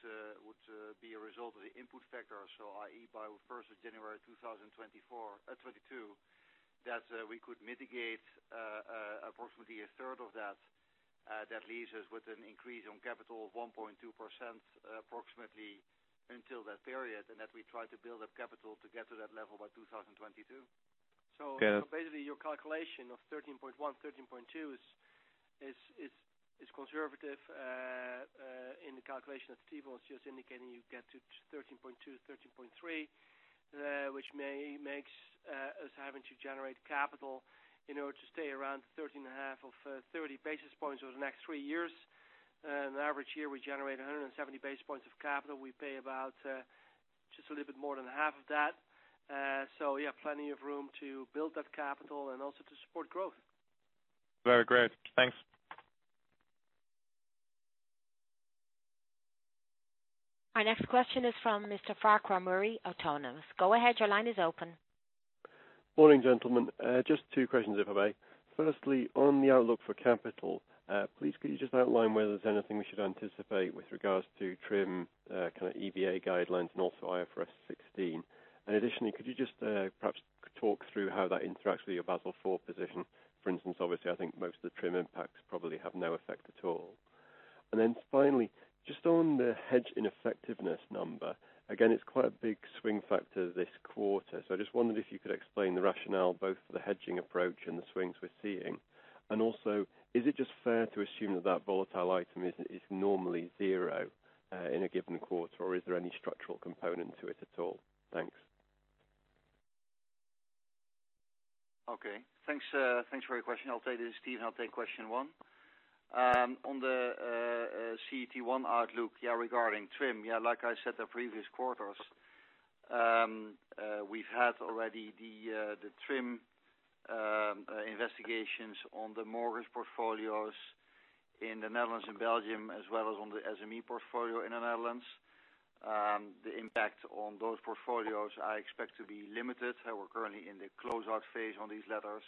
be a result of the input factor. I.e., by 1st of January 2024, at 2022, that we could mitigate approximately a third of that. That leaves us with an increase in capital of 1.2% approximately until that period, and that we try to build up capital to get to that level by 2022. Okay. Basically, your calculation of 13.1,% 13.2% is conservative in the calculation that Steven was just indicating. You get to 13.2%, 13.3%, which makes us having to generate capital in order to stay around 13.5% of 30 basis points over the next three years. In an average year, we generate 170 basis points of capital. We pay about just a little bit more than half of that. Yeah, plenty of room to build that capital and also to support growth. Very great. Thanks. Our next question is from Mr. Farquhar Murray, Autonomous. Go ahead, your line is open. Morning, gentlemen. Just two questions, if I may. Firstly, on the outlook for capital, please could you just outline whether there's anything we should anticipate with regards to TRIM, EBA guidelines, and also IFRS 16? Additionally, could you just perhaps talk through how that interacts with your Basel IV position? For instance, obviously, I think most of the TRIM impacts probably have no effect at all. Finally, just on the hedge ineffectiveness number. Again, it's quite a big swing factor this quarter. I just wondered if you could explain the rationale, both for the hedging approach and the swings we're seeing. Also, is it just fair to assume that that volatile item is normally zero in a given quarter, or is there any structural component to it at all? Thanks. Okay. Thanks for your question. This is Steven, I'll take question one. On the CET1 outlook regarding TRIM. Like I said, the previous quarters, we've had already the TRIM investigations on the mortgage portfolios in the Netherlands and Belgium, as well as on the SME portfolio in the Netherlands. The impact on those portfolios, I expect to be limited, and we're currently in the close-out phase on these letters.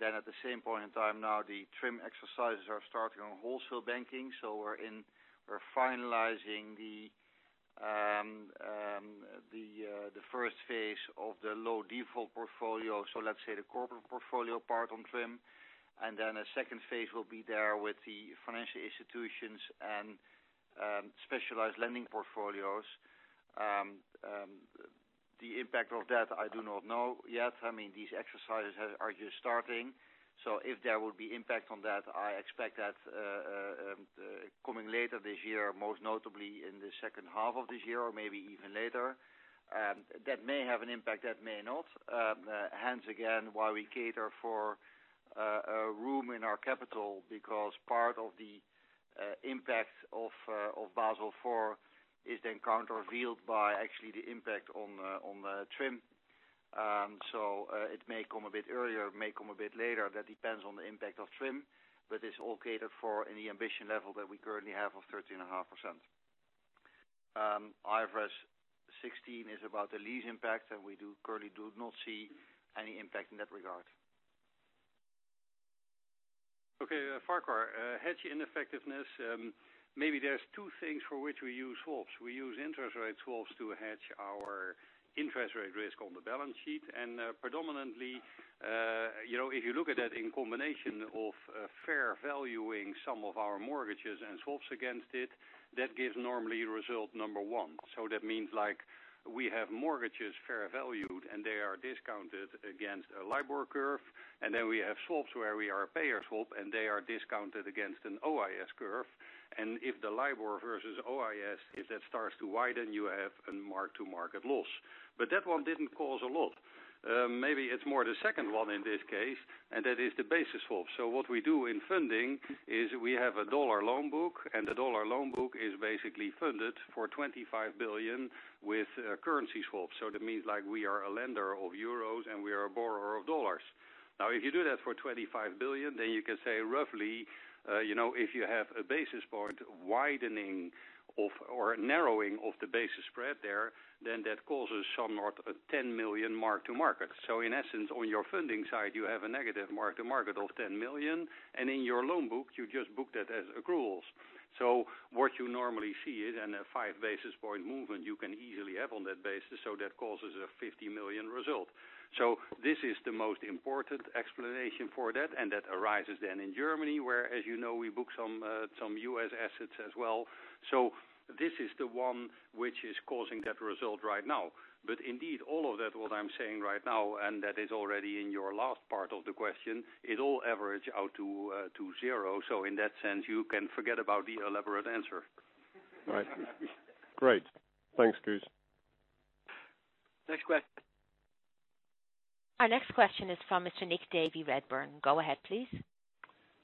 At the same point in time now, the TRIM exercises are starting on wholesale banking. We're finalizing the first phase of the low default portfolio. Let's say the corporate portfolio part on TRIM, a second phase will be there with the financial institutions and specialized lending portfolios. The impact of that, I do not know yet. These exercises are just starting. If there will be impact on that, I expect that coming later this year, most notably in the second half of this year or maybe even later. That may have an impact, that may not. Hence, again, why we cater for room in our capital, because part of the impact of Basel IV is then counter-revealed by actually the impact on TRIM. It may come a bit earlier, it may come a bit later. That depends on the impact of TRIM, but it is all catered for in the ambition level that we currently have of 13.5%. IFRS 16 is about the lease impact, we currently do not see any impact in that regard. Okay. Farquhar, hedge ineffectiveness. Maybe there is two things for which we use swaps. We use interest rate swaps to hedge our interest rate risk on the balance sheet. Predominantly, if you look at that in combination of fair valuing some of our mortgages and swaps against it, that gives normally result number one. That means we have mortgages fair valued, they are discounted against a LIBOR curve. Then we have swaps where we are a payer swap, they are discounted against an OIS curve. If the LIBOR versus OIS, if that starts to widen, you have a mark-to-market loss. That one didn't cause a lot. Maybe it is more the second one in this case, that is the basis swap. What we do in funding is we have a dollar loan book, the dollar loan book is basically funded for 25 billion with a currency swap. That means we are a lender of euros and we are a borrower of dollars. If you do that for 25 billion, you can say roughly, if you have a basis point widening or narrowing of the basis spread there, that causes somewhat a 10 million mark-to-market. In essence, on your funding side, you have a negative mark-to-market of 10 million. You just book that as accruals. What you normally see is in a five-basis point movement, you can easily have on that basis, that causes a 50 million result. This is the most important explanation for that arises then in Germany, where, as you know, we book some U.S. assets as well. This is the one which is causing that result right now. Indeed, all of that, what I am saying right now, and that is already in your last part of the question, it all average out to zero. In that sense, you can forget about the elaborate answer. Right. Great. Thanks, Koos. Next question. Our next question is from Mr. Nick Davey. Go ahead, please.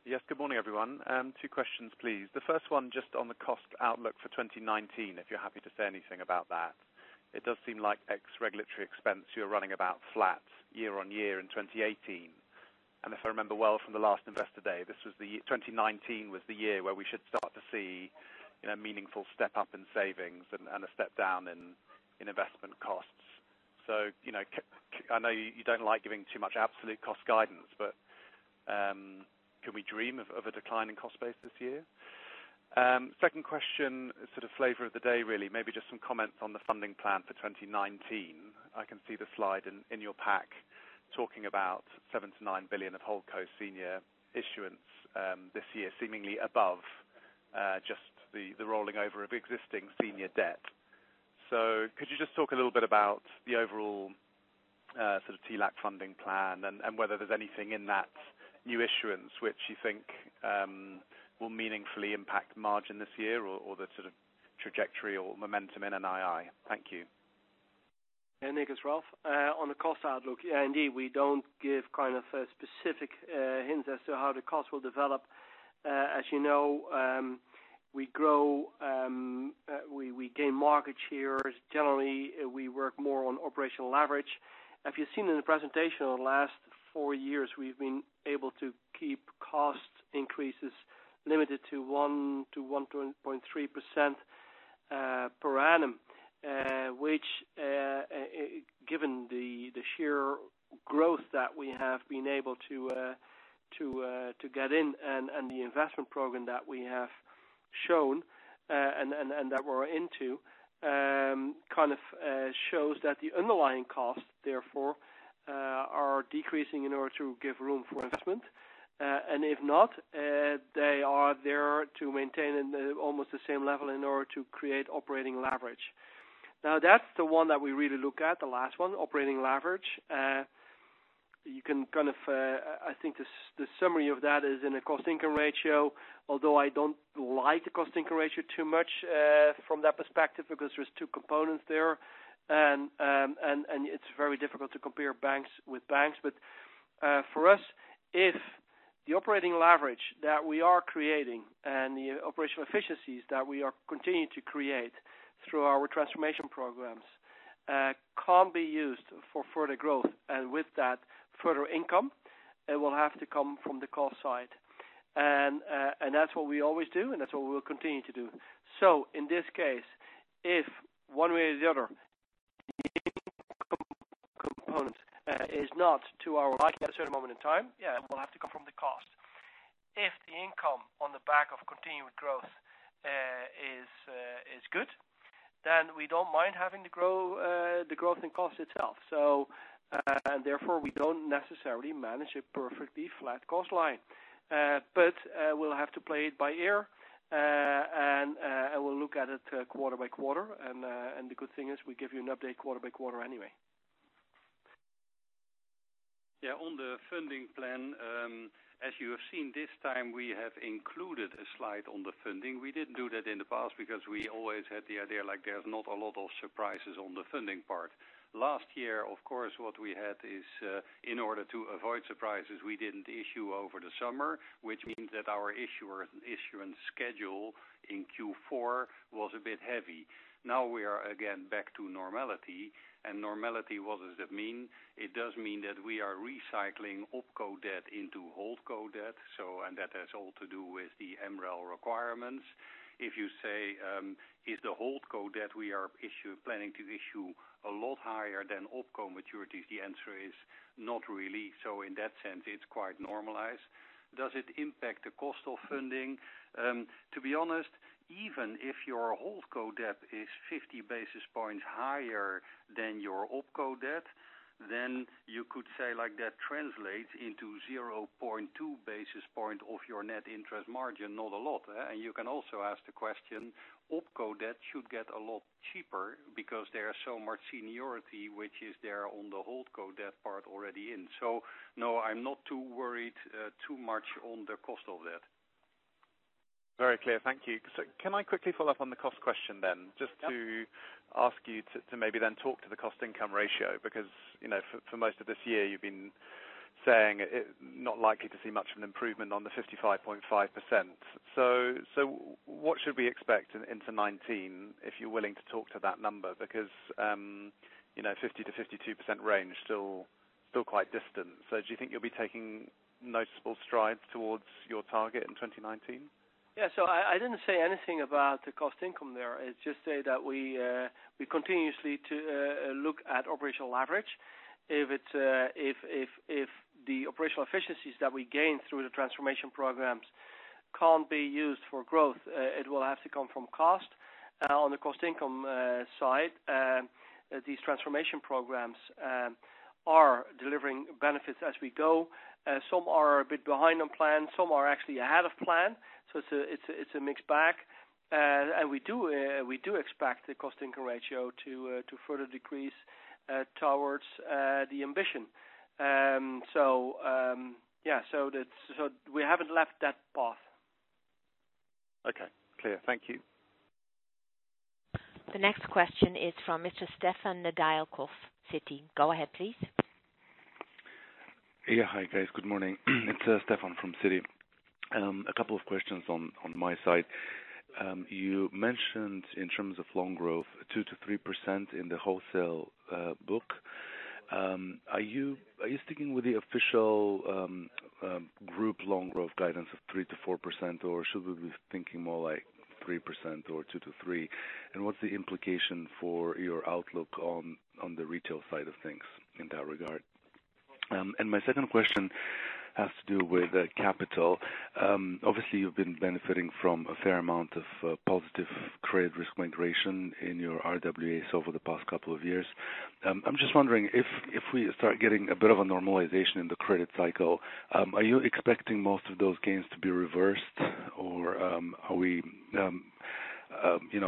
Yes. Good morning, everyone. Two questions, please. The first one, just on the cost outlook for 2019, if you're happy to say anything about that. It does seem like ex regulatory expense, you're running about flat year-on-year in 2018. If I remember well from the last Investor Day, 2019 was the year where we should start to see meaningful step up in savings and a step down in investment costs. I know you don't like giving too much absolute cost guidance, but, can we dream of a decline in cost base this year? Second question, sort of flavor of the day, really. Maybe just some comments on the funding plan for 2019. I can see the slide in your pack talking about 7 billion-9 billion of holdco senior issuance this year, seemingly above just the rolling over of existing senior debt. Could you just talk a little bit about the overall sort of TLAC funding plan and whether there's anything in that new issuance which you think will meaningfully impact margin this year or the sort of trajectory or momentum in NII? Thank you. Yeah, Nick, it's Ralph. On the cost outlook, indeed, we don't give kind of specific hints as to how the cost will develop. As you know, we gain market shares. Generally, we work more on operational average. If you've seen in the presentation, the last four years we've been able to keep cost increases limited to one to 1.3% per annum. Which given the sheer growth that we have been able to get in and the investment program that we have shown and that we're into, shows that the underlying costs, therefore, are decreasing in order to give room for investment. If not, they are there to maintain in almost the same level in order to create operating leverage. Now, that's the one that we really look at, the last one, operating leverage. I think the summary of that is in a cost-income ratio, although I don't like the cost-income ratio too much, from that perspective, because there's two components there. It's very difficult to compare banks with banks. For us, if the operating leverage that we are creating and the operational efficiencies that we are continuing to create through our transformation programs, can't be used for further growth, and with that further income, it will have to come from the cost side. That's what we always do, and that's what we'll continue to do. In this case, if one way or the other, the income component is not to our liking at a certain moment in time, it will have to come from the cost. If the income on the back of continued growth is good, then we don't mind having the growth in cost itself. Therefore we don't necessarily manage a perfectly flat cost line. We'll have to play it by ear. I will look at it quarter by quarter, and the good thing is we give you an update quarter by quarter anyway. Yeah, on the funding plan, as you have seen this time, we have included a slide on the funding. We didn't do that in the past because we always had the idea there's not a lot of surprises on the funding part. Last year, of course, what we had is, in order to avoid surprises, we didn't issue over the summer, which means that our issuance schedule in Q4 was a bit heavy. Now we are again back to normality. Normality, what does that mean? It does mean that we are recycling opco debt into holdco debt. That has all to do with the MREL requirements. If you say, is the holdco debt we are planning to issue a lot higher than opco maturities? The answer is not really. In that sense, it's quite normalized. Does it impact the cost of funding? To be honest, even if your holdco debt is 50 basis points higher than your opco debt, then you could say that translates into 0.2 basis point of your net interest margin, not a lot. You can also ask the question, opco debt should get a lot cheaper because there are so much seniority which is there on the holdco debt part already in. No, I'm not too worried too much on the cost of that. Very clear. Thank you. Can I quickly follow up on the cost question then? Yeah. Just to ask you to maybe then talk to the cost-income ratio, because for most of this year, you've been saying it not likely to see much of an improvement on the 55.5%. What should we expect into 2019, if you're willing to talk to that number? 50%-52% range still quite distant. Do you think you'll be taking noticeable strides towards your target in 2019? Yeah. I didn't say anything about the cost income there. It's just say that we continuously look at operational leverage. If the operational efficiencies that we gain through the transformation programs can't be used for growth, it will have to come from cost. On the cost income side, these transformation programs are delivering benefits as we go. Some are a bit behind on plan, some are actually ahead of plan. It's a mixed bag. We do expect the cost income ratio to further decrease towards the ambition. We haven't left that path. Okay. Clear. Thank you. The next question is from Mr. Stefan Nedialkov, Citi. Go ahead, please. Yeah. Hi, guys. Good morning. It's Stefan from Citi. A couple of questions on my side. You mentioned in terms of loan growth, 2%-3% in the wholesale book. Are you sticking with the official group loan growth guidance of 3%-4%? Or should we be thinking more like 3% or 2%-3%? What's the implication for your outlook on the retail side of things in that regard? My second question has to do with capital. Obviously, you've been benefiting from a fair amount of positive credit risk migration in your RWAs over the past couple of years. I'm just wondering if we start getting a bit of a normalization in the credit cycle, are you expecting most of those gains to be reversed?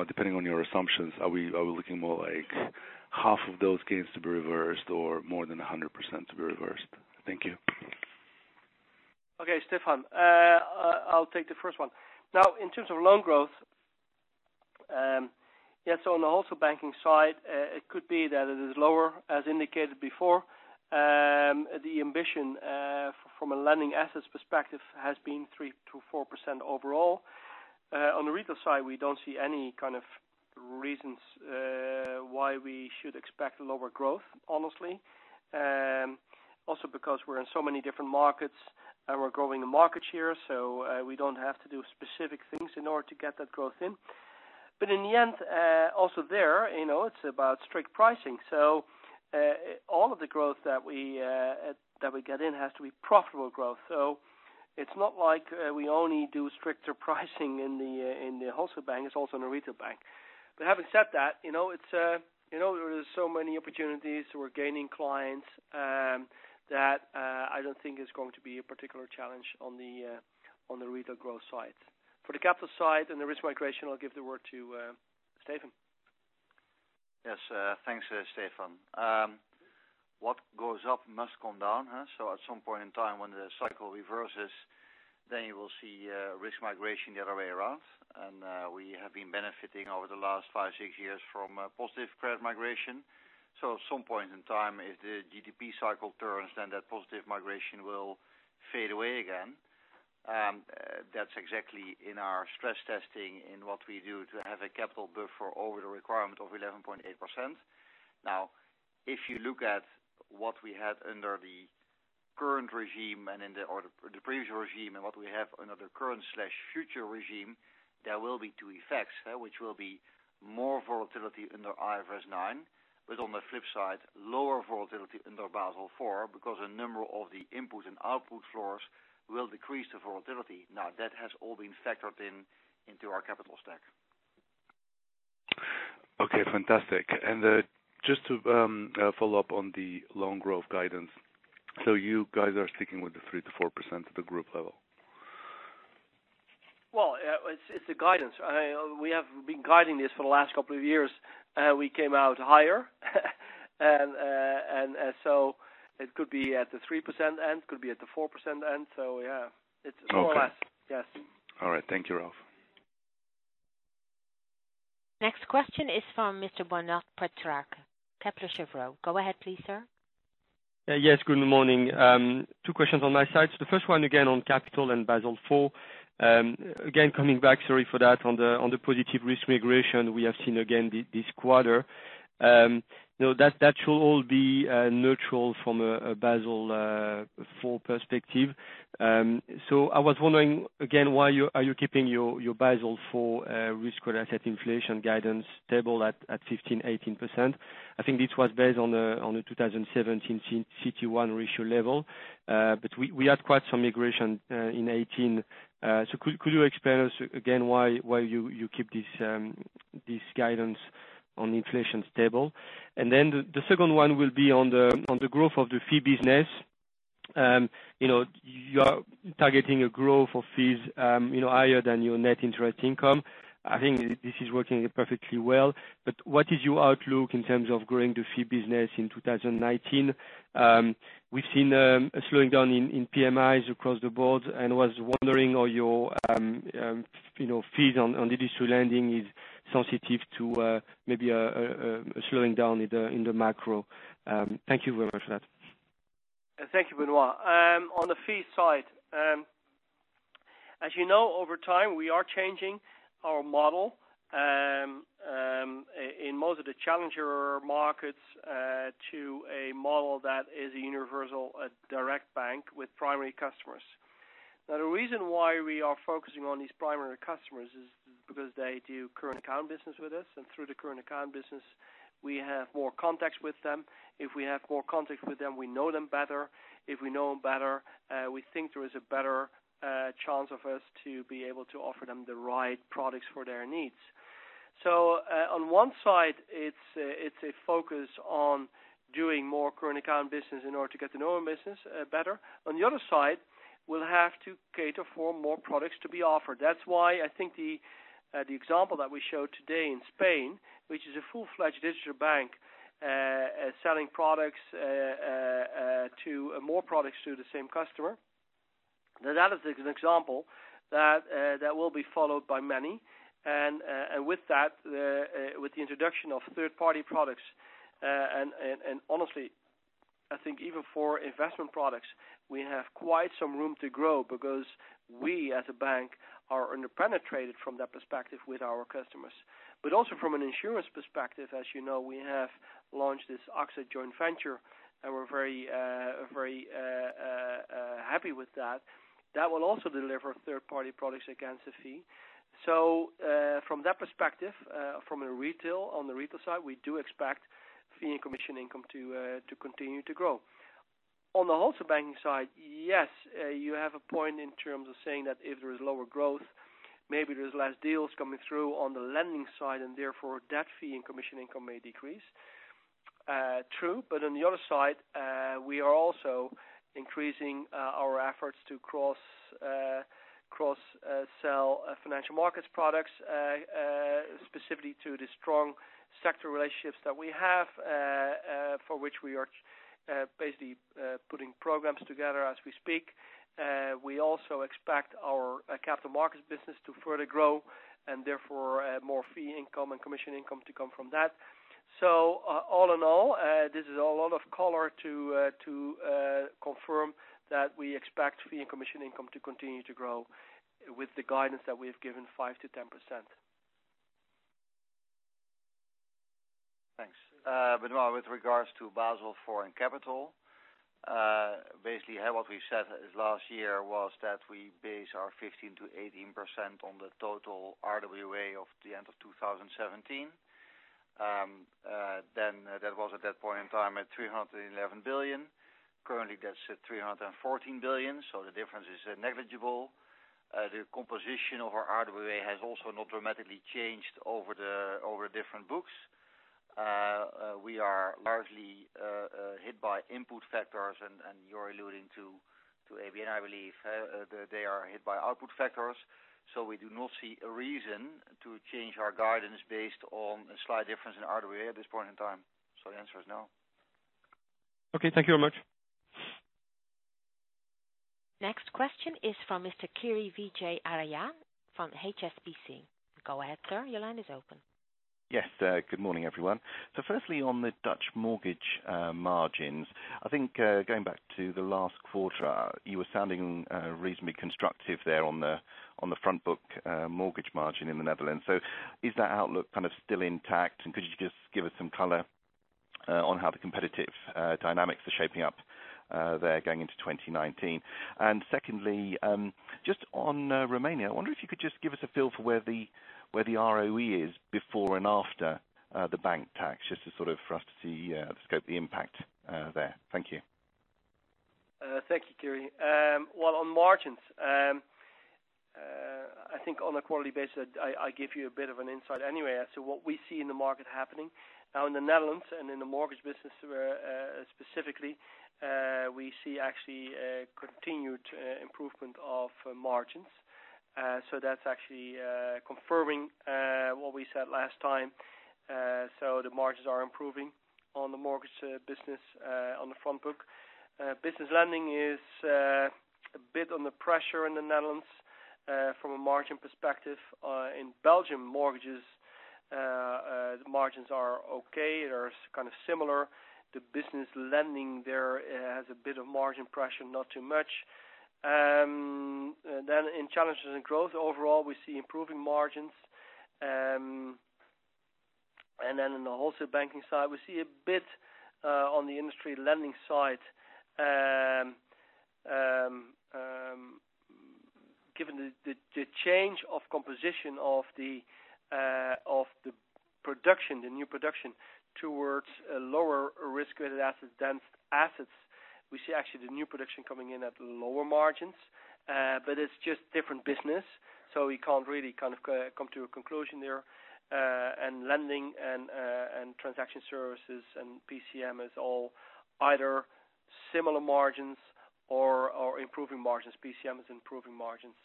Depending on your assumptions, are we looking more like half of those gains to be reversed or more than 100% to be reversed? Thank you. Okay, Stefan. I'll take the first one. In terms of loan growth, on the wholesale banking side, it could be that it is lower, as indicated before. The ambition from a lending assets perspective has been 3%-4% overall. On the retail side, we don't see any kind of reasons why we should expect lower growth, honestly. Also because we're in so many different markets and we're growing the market share, we don't have to do specific things in order to get that growth in. In the end, also there, it's about strict pricing. All of the growth that we get in has to be profitable growth. It's not like we only do stricter pricing in the wholesale bank, it's also in the retail bank. Having said that, there is so many opportunities, we're gaining clients, that I don't think it's going to be a particular challenge on the retail growth side. For the capital side and the risk migration, I'll give the word to Steven. Yes. Thanks, Stefan. What goes up must come down, huh? At some point in time when the cycle reverses, you will see risk migration the other way around. We have been benefiting over the last five, six years from positive credit migration. At some point in time, if the GDP cycle turns, that positive migration will fade away again. That's exactly in our stress testing in what we do to have a capital buffer over the requirement of 11.8%. If you look at what we had under the previous regime and what we have under the current/future regime, there will be two effects, which will be more volatility under IFRS 9, but on the flip side, lower volatility under Basel IV because a number of the input and output floors will decrease the volatility. That has all been factored into our capital stack. Okay, fantastic. Just to follow up on the loan growth guidance. You guys are sticking with the 3%-4% at the group level? Well, it's a guidance. We have been guiding this for the last couple of years. We came out higher. It could be at the 3% end, could be at the 4% end. Yeah, it's more or less. Okay. Yes. All right. Thank you, Ralph. Next question is from Mr. Benoît Pétrarque, Kepler Cheuvreux. Go ahead please, sir. Yes, good morning. Two questions on my side. The first one, again, on capital and Basel IV. Again, coming back, sorry for that, on the positive risk migration we have seen again this quarter. That should all be neutral from a Basel IV perspective. I was wondering, again, why are you keeping your Basel IV risk-weighted asset inflation guidance stable at 15%, 18%? I think this was based on the 2017 CET1 ratio level. We had quite some migration in 2018. Could you explain us again why you keep this guidance on inflation stable? The second one will be on the growth of the fee business. You are targeting a growth of fees higher than your net interest income. I think this is working perfectly well, but what is your outlook in terms of growing the fee business in 2019? We've seen a slowing down in PMIs across the board and was wondering are your fees on the digital lending is sensitive to maybe a slowing down in the macro. Thank you very much for that. Thank you, Benoît. On the fee side, as you know, over time, we are changing our model in most of the challenger markets to a model that is a universal direct bank with primary customers. The reason why we are focusing on these primary customers is because they do current account business with us, and through the current account business, we have more contacts with them. If we have more contacts with them, we know them better. If we know them better, we think there is a better chance of us to be able to offer them the right products for their needs. On one side, it's a focus on doing more current account business in order to get to know our business better. On the other side, we'll have to cater for more products to be offered. That's why I think the example that we showed today in Spain, which is a full-fledged digital bank selling more products to the same customer. That is an example that will be followed by many. With that, with the introduction of third-party products, and honestly, I think even for investment products, we have quite some room to grow because we, as a bank, are under-penetrated from that perspective with our customers. Also from an insurance perspective, as you know, we have launched this AXA joint venture, and we're very happy with that. That will also deliver third-party products against a fee. From that perspective, from a retail, on the retail side, we do expect fee and commission income to continue to grow. On the wholesale banking side, yes, you have a point in terms of saying that if there is lower growth, maybe there's less deals coming through on the lending side, and therefore, debt fee and commission income may decrease. True. On the other side, we are also increasing our efforts to cross-sell financial markets products, specifically to the strong sector relationships that we have for which we are basically putting programs together as we speak. We also expect our capital markets business to further grow, and therefore, more fee income and commission income to come from that. All in all, this is a lot of color to confirm that we expect fee and commission income to continue to grow with the guidance that we have given 5%-10%. Thanks. Benoît, with regards to Basel IV and capital, basically, what we said last year was that we base our 15%-18% on the total RWA of the end of 2017. That was at that point in time at 311 billion. Currently, that's at 314 billion, the difference is negligible. The composition of our RWA has also not dramatically changed over different books. We are largely hit by input factors, and you're alluding to ABN, I believe. They are hit by output factors. We do not see a reason to change our guidance based on a slight difference in RWA at this point in time. The answer is no. Okay. Thank you very much. Next question is from Mr. Kiri Vijayarajah from HSBC. Go ahead, sir. Your line is open. Yes. Good morning, everyone. Firstly, on the Dutch mortgage margins, I think going back to the last quarter, you were sounding reasonably constructive there on the front book mortgage margin in the Netherlands. Is that outlook kind of still intact? Could you just give us some color on how the competitive dynamics are shaping up there going into 2019? Secondly, just on Romania, I wonder if you could just give us a feel for where the ROE is before and after the bank tax, just to sort of for us to see the scope, the impact there. Thank you. Thank you, Kiri. Well, on margins, I think on a quarterly basis, I give you a bit of an insight anyway as to what we see in the market happening. Now in the Netherlands and in the mortgage business specifically, we see actually a continued improvement of margins. That's actually confirming what we said last time. The margins are improving on the mortgage business on the front book. Business lending is a bit under pressure in the Netherlands from a margin perspective. In Belgium mortgages, the margins are okay. They're kind of similar. The business lending there has a bit of margin pressure, not too much. In Challengers & Growth overall, we see improving margins. In the wholesale banking side, we see a bit on the industry lending side, given the change of composition of the production, the new production towards lower risk-weighted assets. We see actually the new production coming in at lower margins. It's just different business, we can't really come to a conclusion there. Lending and transaction services and PCM is all either similar margins or improving margins. PCM is improving margins.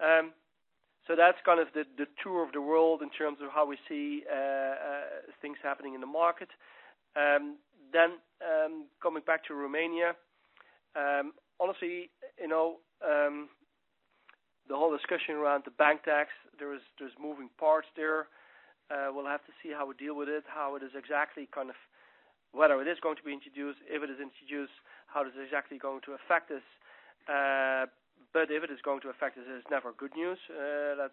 That's kind of the tour of the world in terms of how we see things happening in the market. Coming back to Romania. Honestly, the whole discussion around the bank tax, there's moving parts there. We'll have to see how we deal with it, how it is exactly going to be introduced, if it is introduced, how does it exactly going to affect us. If it is going to affect us, it is never good news,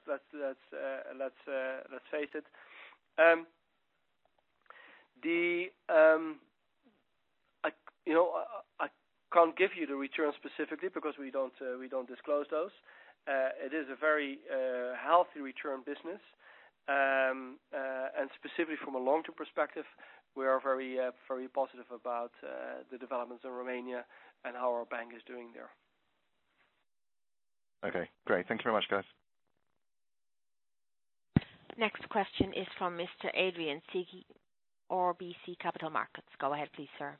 let's face it. I can't give you the return specifically because we don't disclose those. It is a very healthy return business. Specifically, from a long-term perspective, we are very positive about the developments in Romania and how our bank is doing there. Okay, great. Thank you very much, guys. Next question is from Mr. Adrian Cighi, RBC Capital Markets. Go ahead, please, sir.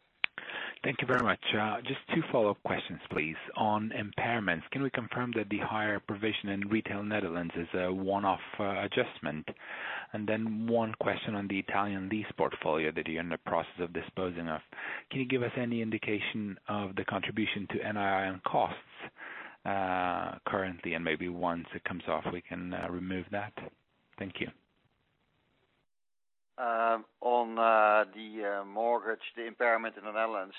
Thank you very much. Just two follow-up questions, please. On impairments, can we confirm that the higher provision in retail Netherlands is a one-off adjustment? One question on the Italian lease portfolio that you're in the process of disposing of. Can you give us any indication of the contribution to NII on costs currently, and maybe once it comes off, we can remove that? Thank you. On the mortgage, the impairment in the Netherlands,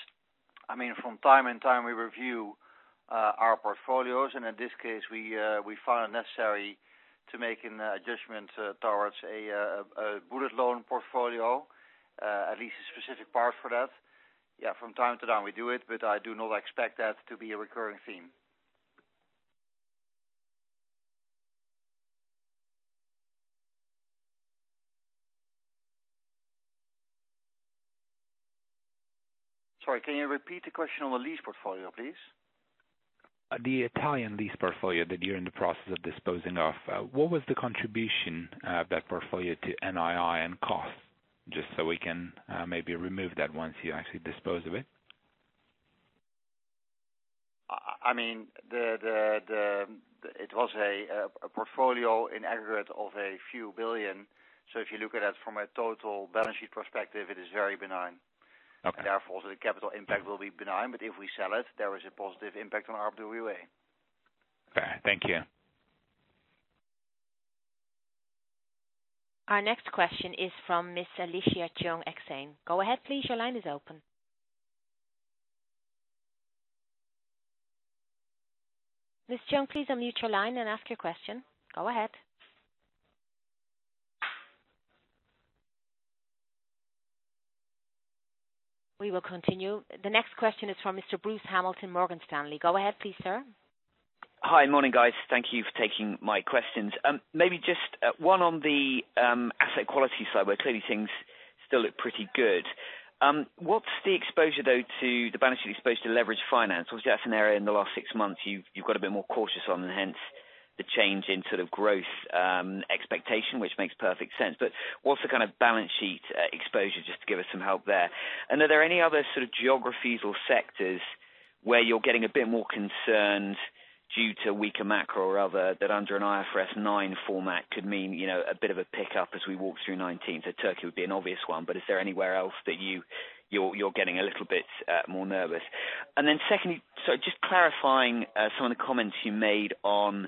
from time to time we review our portfolios. In this case, we found it necessary to make an adjustment towards a bullet loan portfolio, at least a specific part for that. From time to time, we do it, I do not expect that to be a recurring theme. Sorry, can you repeat the question on the lease portfolio, please? The Italian lease portfolio that you're in the process of disposing of, what was the contribution of that portfolio to NII and costs? Just so we can maybe remove that once you actually dispose of it. It was a portfolio in aggregate of a few billion. If you look at it from a total balance sheet perspective, it is very benign. Okay. Therefore, the capital impact will be benign. If we sell it, there is a positive impact on our RWA. Okay. Thank you. Our next question is from Miss Alicia Chung, Exane. Go ahead, please. Your line is open. Miss Chung, please unmute your line and ask your question. Go ahead. We will continue. The next question is from Mr. Bruce Hamilton, Morgan Stanley. Go ahead, please, sir. Hi. Morning, guys. Thank you for taking my questions. Maybe just one on the asset quality side, where clearly things still look pretty good. What's the exposure, though, to the balance sheet exposed to leverage finance? Obviously, that's an area in the last six months you've got a bit more cautious on, and hence the change in growth expectation, which makes perfect sense. What's the kind of balance sheet exposure just to give us some help there? Are there any other sort of geographies or sectors where you're getting a bit more concerned due to weaker macro or other, that under an IFRS 9 format could mean a bit of a pickup as we walk through 2019? Turkey would be an obvious one, but is there anywhere else that you're getting a little bit more nervous? Secondly, just clarifying some of the comments you made on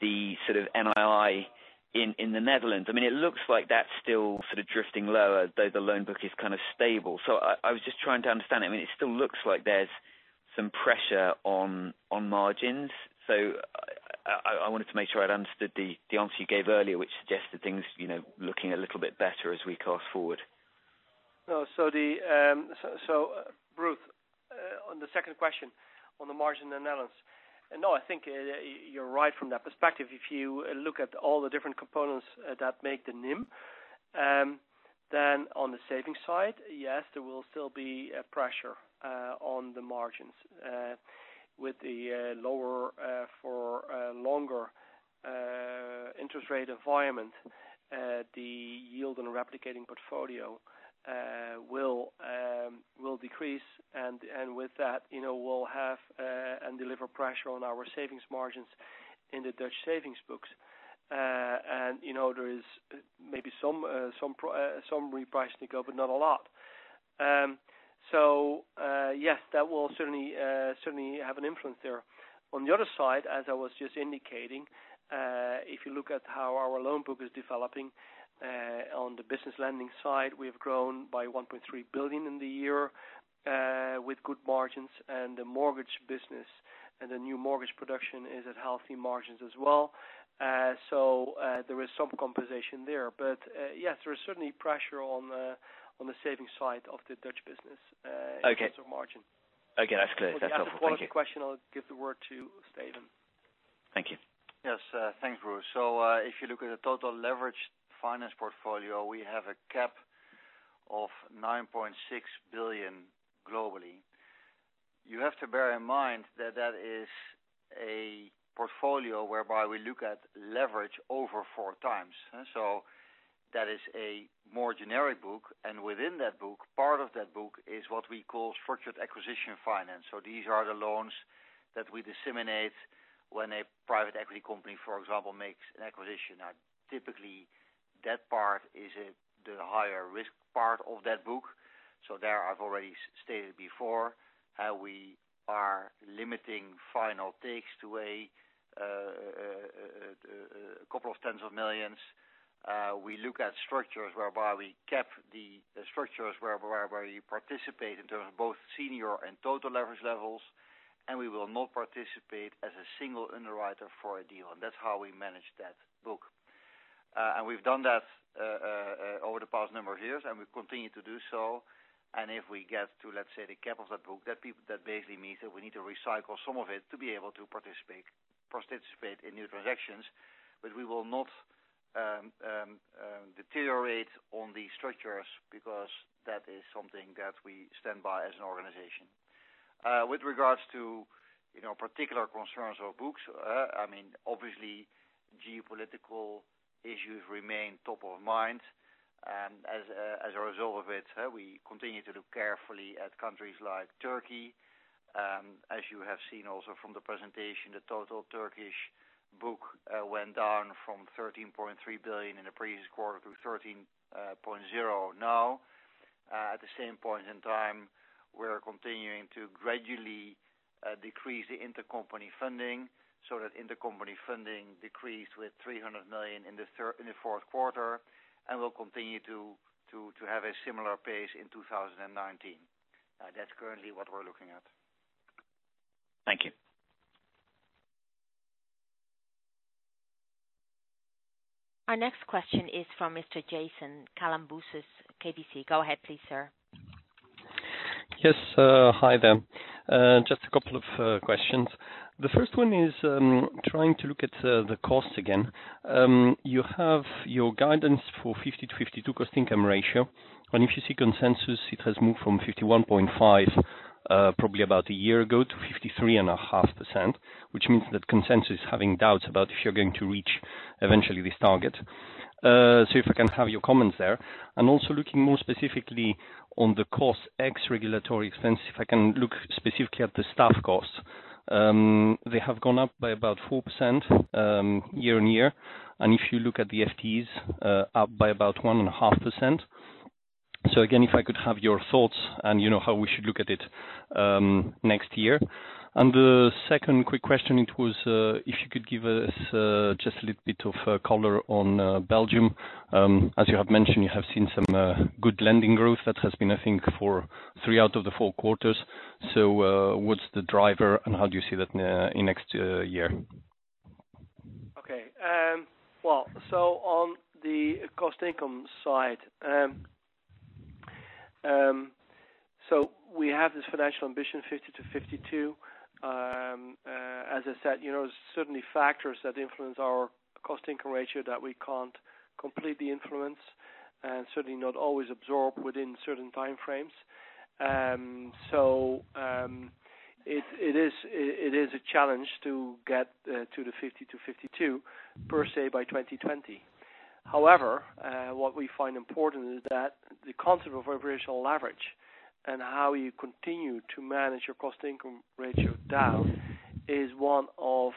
the sort of NII in the Netherlands. It looks like that's still sort of drifting lower, though the loan book is kind of stable. I was just trying to understand it. It still looks like there's some pressure on margins. I wanted to make sure I'd understood the answer you gave earlier, which suggested things looking a little bit better as we cast forward. Bruce, on the second question on the margin in the Netherlands. No, I think you're right from that perspective. If you look at all the different components that make the NIM, then on the savings side, yes, there will still be pressure on the margins. With the lower-for-longer interest rate environment, the yield on a replicating portfolio will decrease, and with that, we'll have and deliver pressure on our savings margins in the Dutch savings books. There is maybe some reprice to go, but not a lot. Yes, that will certainly have an influence there. On the other side, as I was just indicating, if you look at how our loan book is developing on the business lending side, we have grown by 1.3 billion in the year with good margins, and the mortgage business and the new mortgage production is at healthy margins as well. There is some compensation there. Yes, there is certainly pressure on the savings side of the Dutch business in terms of margin. Okay, that's clear. That's helpful. Thank you. For the asset quality question, I'll give the word to Steven. Thank you. Yes. Thanks, Bruce. If you look at the total leverage finance portfolio, we have a cap of 9.6 billion globally. You have to bear in mind that that is a portfolio whereby we look at leverage over four times. That is a more generic book, and within that book, part of that book is what we call structured acquisition finance. These are the loans that we disseminate when a private equity company, for example, makes an acquisition. Now, typically, that part is the higher risk part of that book. There, I've already stated before, we are limiting final takes to a couple of tens of millions. We look at structures whereby we cap the structures whereby you participate in terms of both senior and total leverage levels, and we will not participate as a single underwriter for a deal. That's how we manage that book. We've done that over the past number of years, and we continue to do so. If we get to, let's say, the cap of that book, that basically means that we need to recycle some of it to be able to participate in new transactions. We will not deteriorate on the structures because that is something that we stand by as an organization. With regards to particular concerns or books, obviously, geopolitical issues remain top of mind. As a result of it, we continue to look carefully at countries like Turkey. As you have seen also from the presentation, the total Turkish book went down from 13.3 billion in the previous quarter to 13.0 now. At the same point in time, we're continuing to gradually decrease the intercompany funding. That intercompany funding decreased with 300 million in the fourth quarter, and will continue to have a similar pace in 2019. That's currently what we're looking at. Thank you. Our next question is from Mr. Jason Kalamboussis, KBC. Go ahead, please, sir. Yes. Hi there. Just a couple of questions. The first one is trying to look at the costs again. You have your guidance for 50%-52% cost-income ratio, and if you see consensus, it has moved from 51.5%, probably about a year ago, to 53.5%, which means that consensus is having doubts about if you're going to reach eventually this target. If I can have your comments there. Also looking more specifically on the cost ex regulatory expense, if I can look specifically at the staff costs. They have gone up by about 4% year-on-year. And if you look at the FTEs, up by about 1.5%. Again, if I could have your thoughts and how we should look at it next year. And the second quick question, it was if you could give us just a little bit of color on Belgium. As you have mentioned, you have seen some good lending growth. That has been, I think, for three out of the four quarters. What's the driver and how do you see that in next year? On the cost-income side. We have this financial ambition, 50% to 52%. As I said, certainly factors that influence our cost-income ratio that we cannot completely influence, and certainly not always absorb within certain time frames. It is a challenge to get to the 50% to 52% per se by 2020. However, what we find important is that the concept of operational leverage and how you continue to manage your cost-income ratio down is one of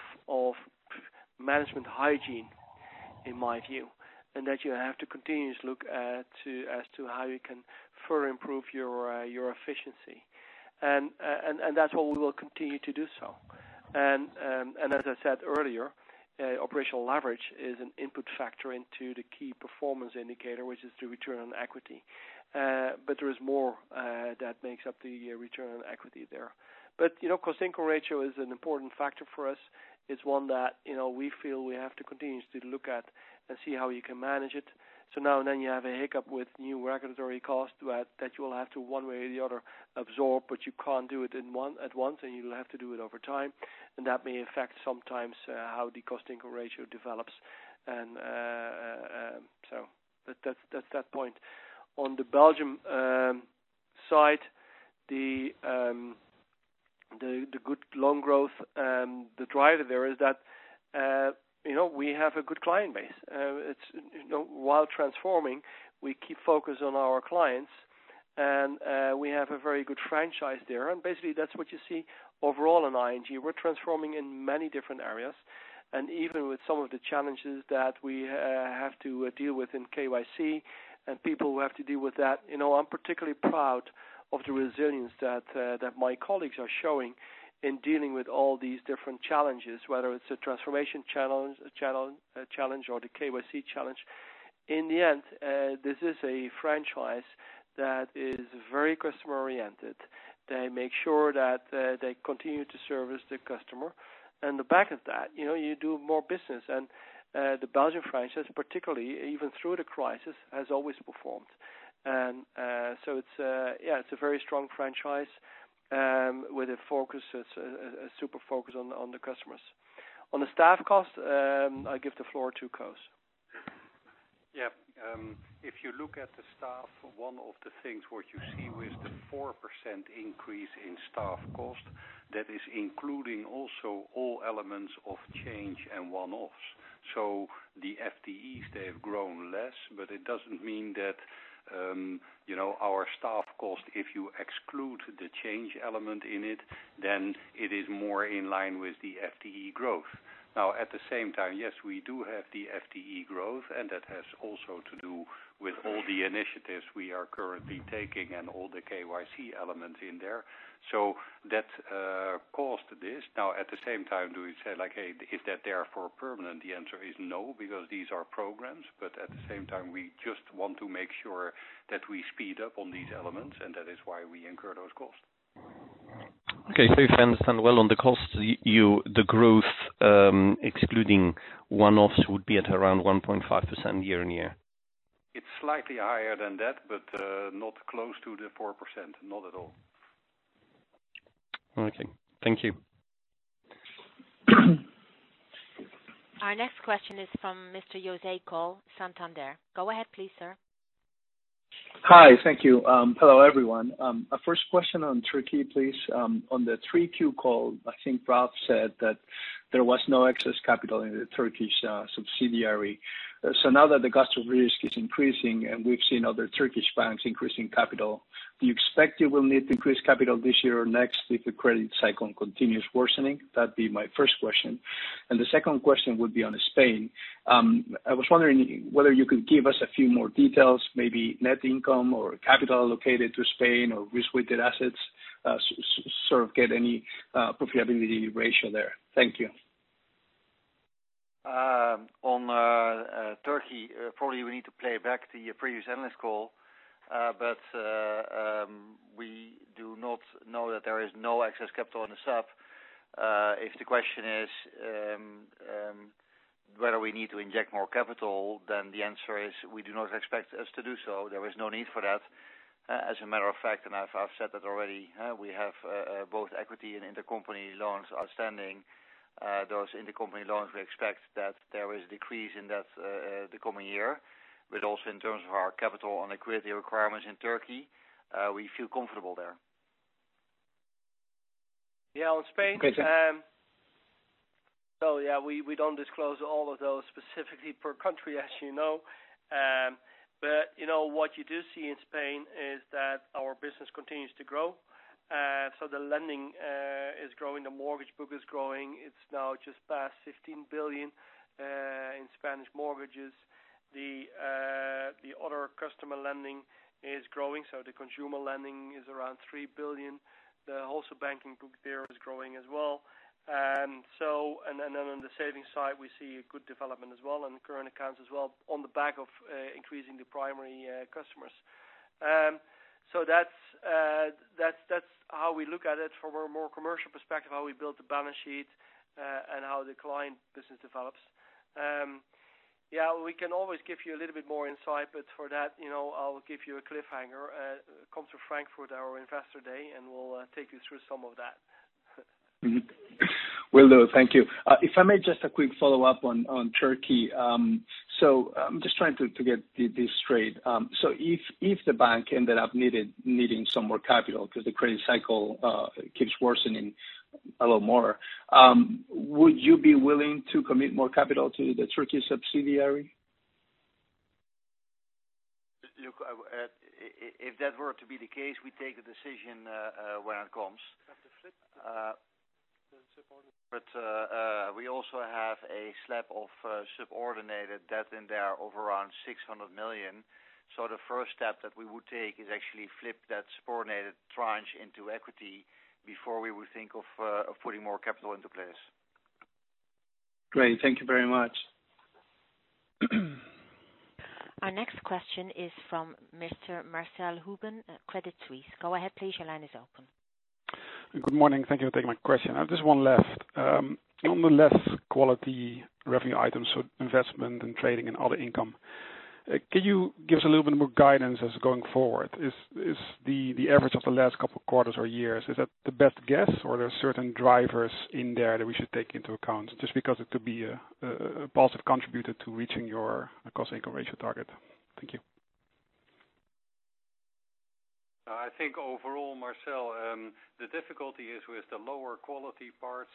management hygiene, in my view, and that you have to continuously look as to how you can further improve your efficiency. That is what we will continue to do so. As I said earlier, operational leverage is an input factor into the key performance indicator, which is the return on equity. There is more that makes up the return on equity there. Cost-income ratio is an important factor for us. It is one that we feel we have to continuously look at and see how you can manage it. Now and then you have a hiccup with new regulatory costs that you will have to, one way or the other, absorb, but you cannot do it at once, and you will have to do it over time. That may affect sometimes how the cost-income ratio develops. That is that point. On the Belgium side, the good loan growth, the driver there is that we have a good client base. While transforming, we keep focused on our clients, and we have a very good franchise there. Basically, that is what you see overall in ING. We are transforming in many different areas. Even with some of the challenges that we have to deal with in KYC and people who have to deal with that, I am particularly proud of the resilience that my colleagues are showing in dealing with all these different challenges, whether it is a transformation challenge or the KYC challenge. In the end, this is a franchise that is very customer-oriented. They make sure that they continue to service the customer. On the back of that, you do more business. The Belgian franchise, particularly, even through the crisis, has always performed. It is a very strong franchise with a super focus on the customers. On the staff cost, I give the floor to Koos. If you look at the staff, one of the things what you see with the 4% increase in staff cost, that is including also all elements of change and one-offs. The FTEs, they have grown less, but it does not mean that our staff cost, if you exclude the change element in it, then it is more in line with the FTE growth. At the same time, yes, we do have the FTE growth, and that has also to do with all the initiatives we are currently taking and all the KYC elements in there. That caused this. At the same time, do we say, "Hey, is that therefore permanent?" The answer is no, because these are programs. At the same time, we just want to make sure that we speed up on these elements, and that is why we incur those costs. Okay. If I understand well on the costs, the growth, excluding one-offs, would be at around 1.5% year-on-year? It's slightly higher than that, but not close to the 4%. Not at all. Okay. Thank you. Our next question is from Mr. Jose Coll, Santander. Go ahead please, sir. Hi. Thank you. Hello, everyone. A first question on Turkey, please. On the 3Q call, I think Ralph said that there was no excess capital in the Turkish subsidiary. Now that the cost of risk is increasing and we've seen other Turkish banks increasing capital, do you expect you will need to increase capital this year or next if the credit cycle continues worsening? That'd be my first question. The second question would be on Spain. I was wondering whether you could give us a few more details, maybe net income or capital allocated to Spain or risk-weighted assets, sort of get any profitability ratio there. Thank you. On Turkey, probably we need to play back the previous analyst call. We do not know that there is no excess capital on the sub. If the question is whether we need to inject more capital, the answer is, we do not expect us to do so. There is no need for that. As a matter of fact, I've said that already, we have both equity and intercompany loans outstanding. Those intercompany loans, we expect that there is a decrease in that the coming year. Also in terms of our capital on the credit requirements in Turkey, we feel comfortable there. Yeah, on Spain. Okay. Yeah, we don't disclose all of those specifically per country, as you know. What you do see in Spain is that our business continues to grow. The lending is growing, the mortgage book is growing. It's now just past 15 billion in Spanish mortgages. The other customer lending is growing, the consumer lending is around 3 billion. The wholesale banking book there is growing as well. On the savings side, we see a good development as well, and the current accounts as well, on the back of increasing the primary customers. That's how we look at it from a more commercial perspective, how we build the balance sheet, and how the client business develops. Yeah, we can always give you a little bit more insight, but for that, I'll give you a cliffhanger. Come to Frankfurt our Investor Day, and we'll take you through some of that. Will do. Thank you. If I may, just a quick follow-up on Turkey. I'm just trying to get this straight. If the bank ended up needing some more capital because the credit cycle keeps worsening a little more, would you be willing to commit more capital to the Turkish subsidiary? Look, if that were to be the case, we take a decision when it comes. You have to flip the subordinated. We also have a slab of subordinated debt in there of around 600 million. The first step that we would take is actually flip that subordinated tranche into equity before we would think of putting more capital into place. Great. Thank you very much. Our next question is from Mr. Marcell Houben at Credit Suisse. Go ahead, please. Your line is open. Good morning. Thank you for taking my question. Just one left. On the less quality revenue items, so investment and trading and other income, can you give us a little bit more guidance as going forward? Is the average of the last couple of quarters or years, is that the best guess, or there are certain drivers in there that we should take into account, just because it could be a positive contributor to reaching your cost-income ratio target? Thank you. I think overall, Marcell, the difficulty is with the lower quality parts,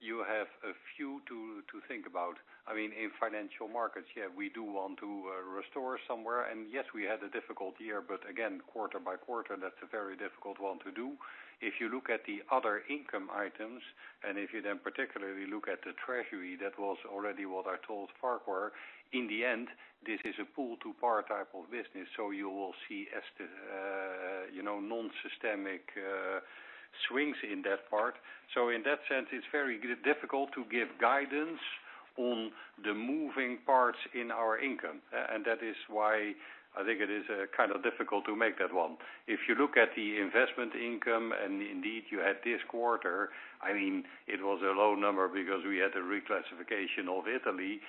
you have a few to think about. In financial markets, yeah, we do want to restore somewhere. Yes, we had a difficult year, but again, quarter by quarter, that's a very difficult one to do. If you look at the other income items, if you then particularly look at the treasury, that was already what I told Farquhar. In the end, this is a pool to par type of business. You will see non-systemic swings in that part. In that sense, it's very difficult to give guidance on the moving parts in our income. That is why I think it is difficult to make that one. If you look at the investment income, indeed you had this quarter, it was a low number because we had a reclassification of Italy.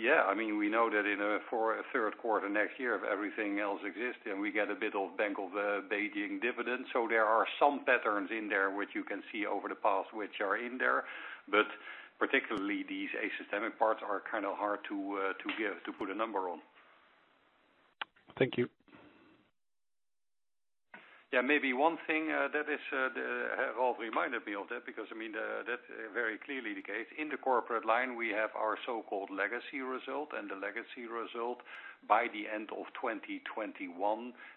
Yeah, we know that for a third quarter next year, if everything else exists, then we get a bit of Bank of Beijing dividends. There are some patterns in there which you can see over the past, which are in there. Particularly, these non-systemic parts are hard to put a number on. Thank you. Yeah, maybe one thing Ralph reminded me of that because that very clearly indicates in the corporate line, we have our so-called legacy result, and the legacy result by the end of 2021,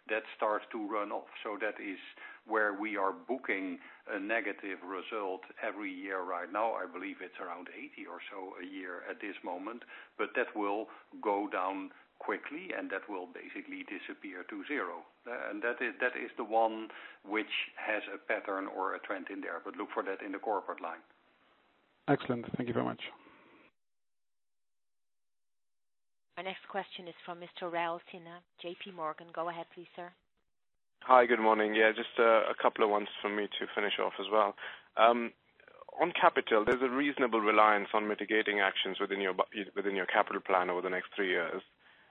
that starts to run off. That is where we are booking a negative result every year right now. I believe it is around 80 million a year at this moment. That will go down quickly, and that will basically disappear to zero. That is the one which has a pattern or a trend in there. Look for that in the corporate line. Excellent. Thank you very much. Our next question is from Mr. Raul Sinha, JPMorgan. Go ahead please, sir. Hi, good morning. Yeah, just a couple of ones from me to finish off as well. On capital, there is a reasonable reliance on mitigating actions within your capital plan over the next three years.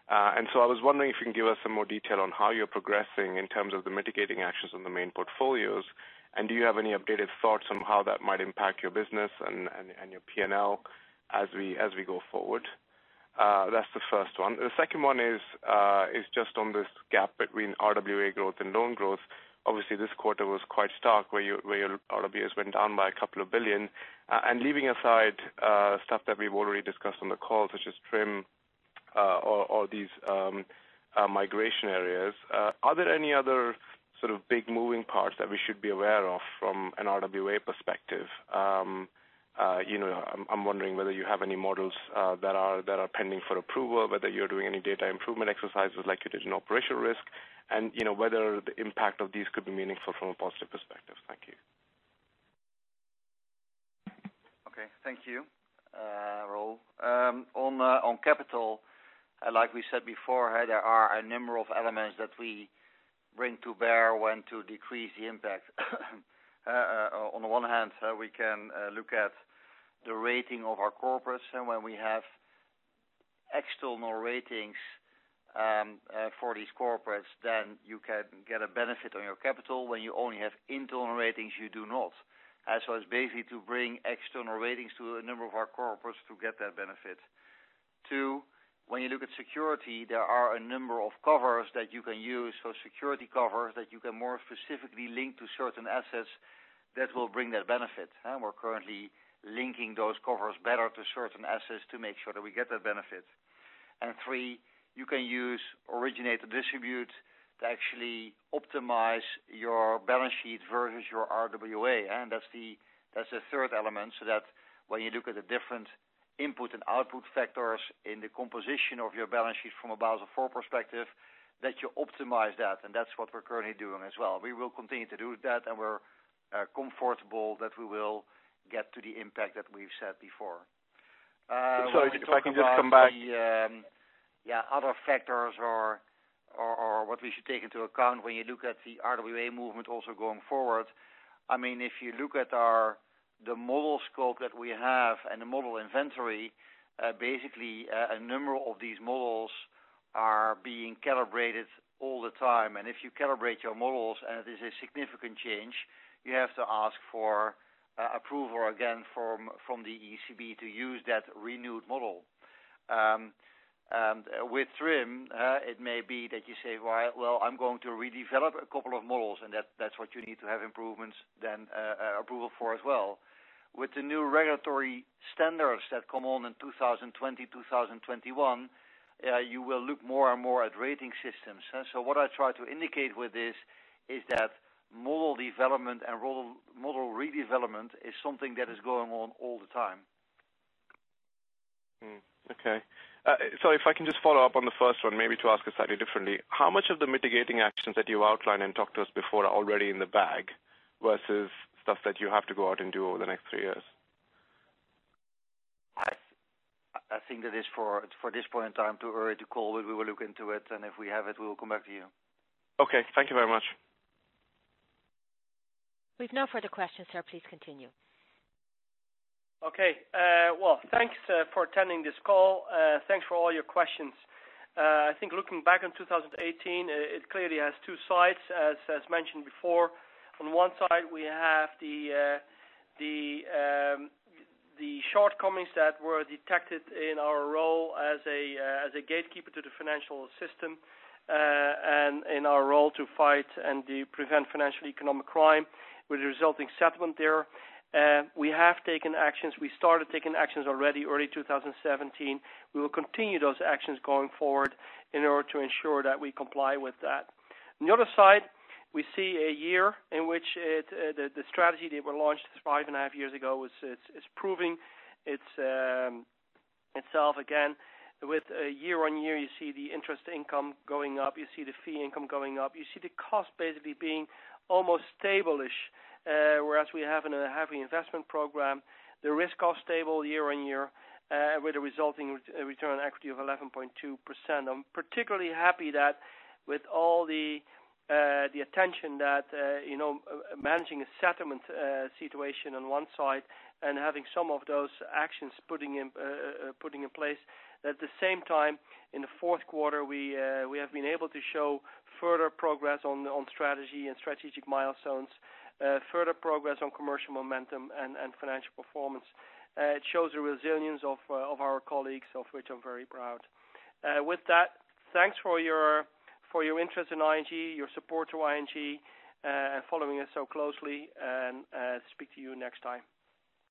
I was wondering if you can give us some more detail on how you are progressing in terms of the mitigating actions on the main portfolios, and do you have any updated thoughts on how that might impact your business and your P&L as we go forward? That is the first one. The second one is just on this gap between RWA growth and loan growth. Obviously, this quarter was quite stark, where your RWAs went down by a EUR couple of billion. Leaving aside stuff that we've already discussed on the call, such as TRIM or these migration areas, are there any other sort of big moving parts that we should be aware of from an RWA perspective? I'm wondering whether you have any models that are pending for approval, whether you're doing any data improvement exercises like you did in operational risk, and whether the impact of these could be meaningful from a positive perspective. Thank you. Okay, thank you, Raul. On capital, like we said before, there are a number of elements that we bring to bear when to decrease the impact. On the one hand, we can look at the rating of our corporates, and when we have external ratings for these corporates, then you can get a benefit on your capital. When you only have internal ratings, you do not. It's basically to bring external ratings to a number of our corporates to get that benefit. Two, when you look at security, there are a number of covers that you can use. Security covers that you can more specifically link to certain assets that will bring that benefit. We're currently linking those covers better to certain assets to make sure that we get that benefit. Three, you can use originate to distribute to actually optimize your balance sheet versus your RWA. That's the third element, so that when you look at the different input and output factors in the composition of your balance sheet from a Basel IV perspective, that you optimize that. That's what we're currently doing as well. We will continue to do that, and we're comfortable that we will get to the impact that we've said before. Sorry, if I can just come back. Yeah. Other factors or what we should take into account when you look at the RWA movement also going forward, if you look at the model scope that we have and the model inventory, basically, a number of these models are being calibrated all the time. If you calibrate your models and it is a significant change, you have to ask for approval again from the ECB to use that renewed model. With TRIM, it may be that you say, "Well, I'm going to redevelop a couple of models," and that's what you need to have improvements, then approval for as well. With the new regulatory standards that come on in 2020, 2021, you will look more and more at rating systems. What I try to indicate with this is that model development and model redevelopment is something that is going on all the time. Okay. Sorry, if I can just follow up on the first one, maybe to ask it slightly differently. How much of the mitigating actions that you outlined and talked to us before are already in the bag versus stuff that you have to go out and do over the next three years? I think that is for this point in time, too early to call. We will look into it, and if we have it, we'll come back to you. Okay. Thank you very much. We've no further questions, sir. Please continue. Well, thanks for attending this call. Thanks for all your questions. I think looking back on 2018, it clearly has two sides, as mentioned before. On one side, we have the shortcomings that were detected in our role as a gatekeeper to the financial system, and in our role to fight and prevent financial economic crime with a resulting settlement there. We have taken actions. We started taking actions already early 2017. We will continue those actions going forward in order to ensure that we comply with that. On the other side, we see a year in which the strategy that were launched five and a half years ago is proving itself again. With a year-on-year, you see the interest income going up, you see the fee income going up. You see the cost basically being almost stable-ish. Whereas we have in a heavy investment program, the risk of stable year-on-year, with a resulting return on equity of 11.2%. I'm particularly happy that with all the attention that managing a settlement situation on one side and having some of those actions putting in place, at the same time, in the fourth quarter, we have been able to show further progress on strategy and strategic milestones, further progress on commercial momentum and financial performance. It shows the resilience of our colleagues, of which I'm very proud. With that, thanks for your interest in ING, your support to ING, and following us so closely, and speak to you next time.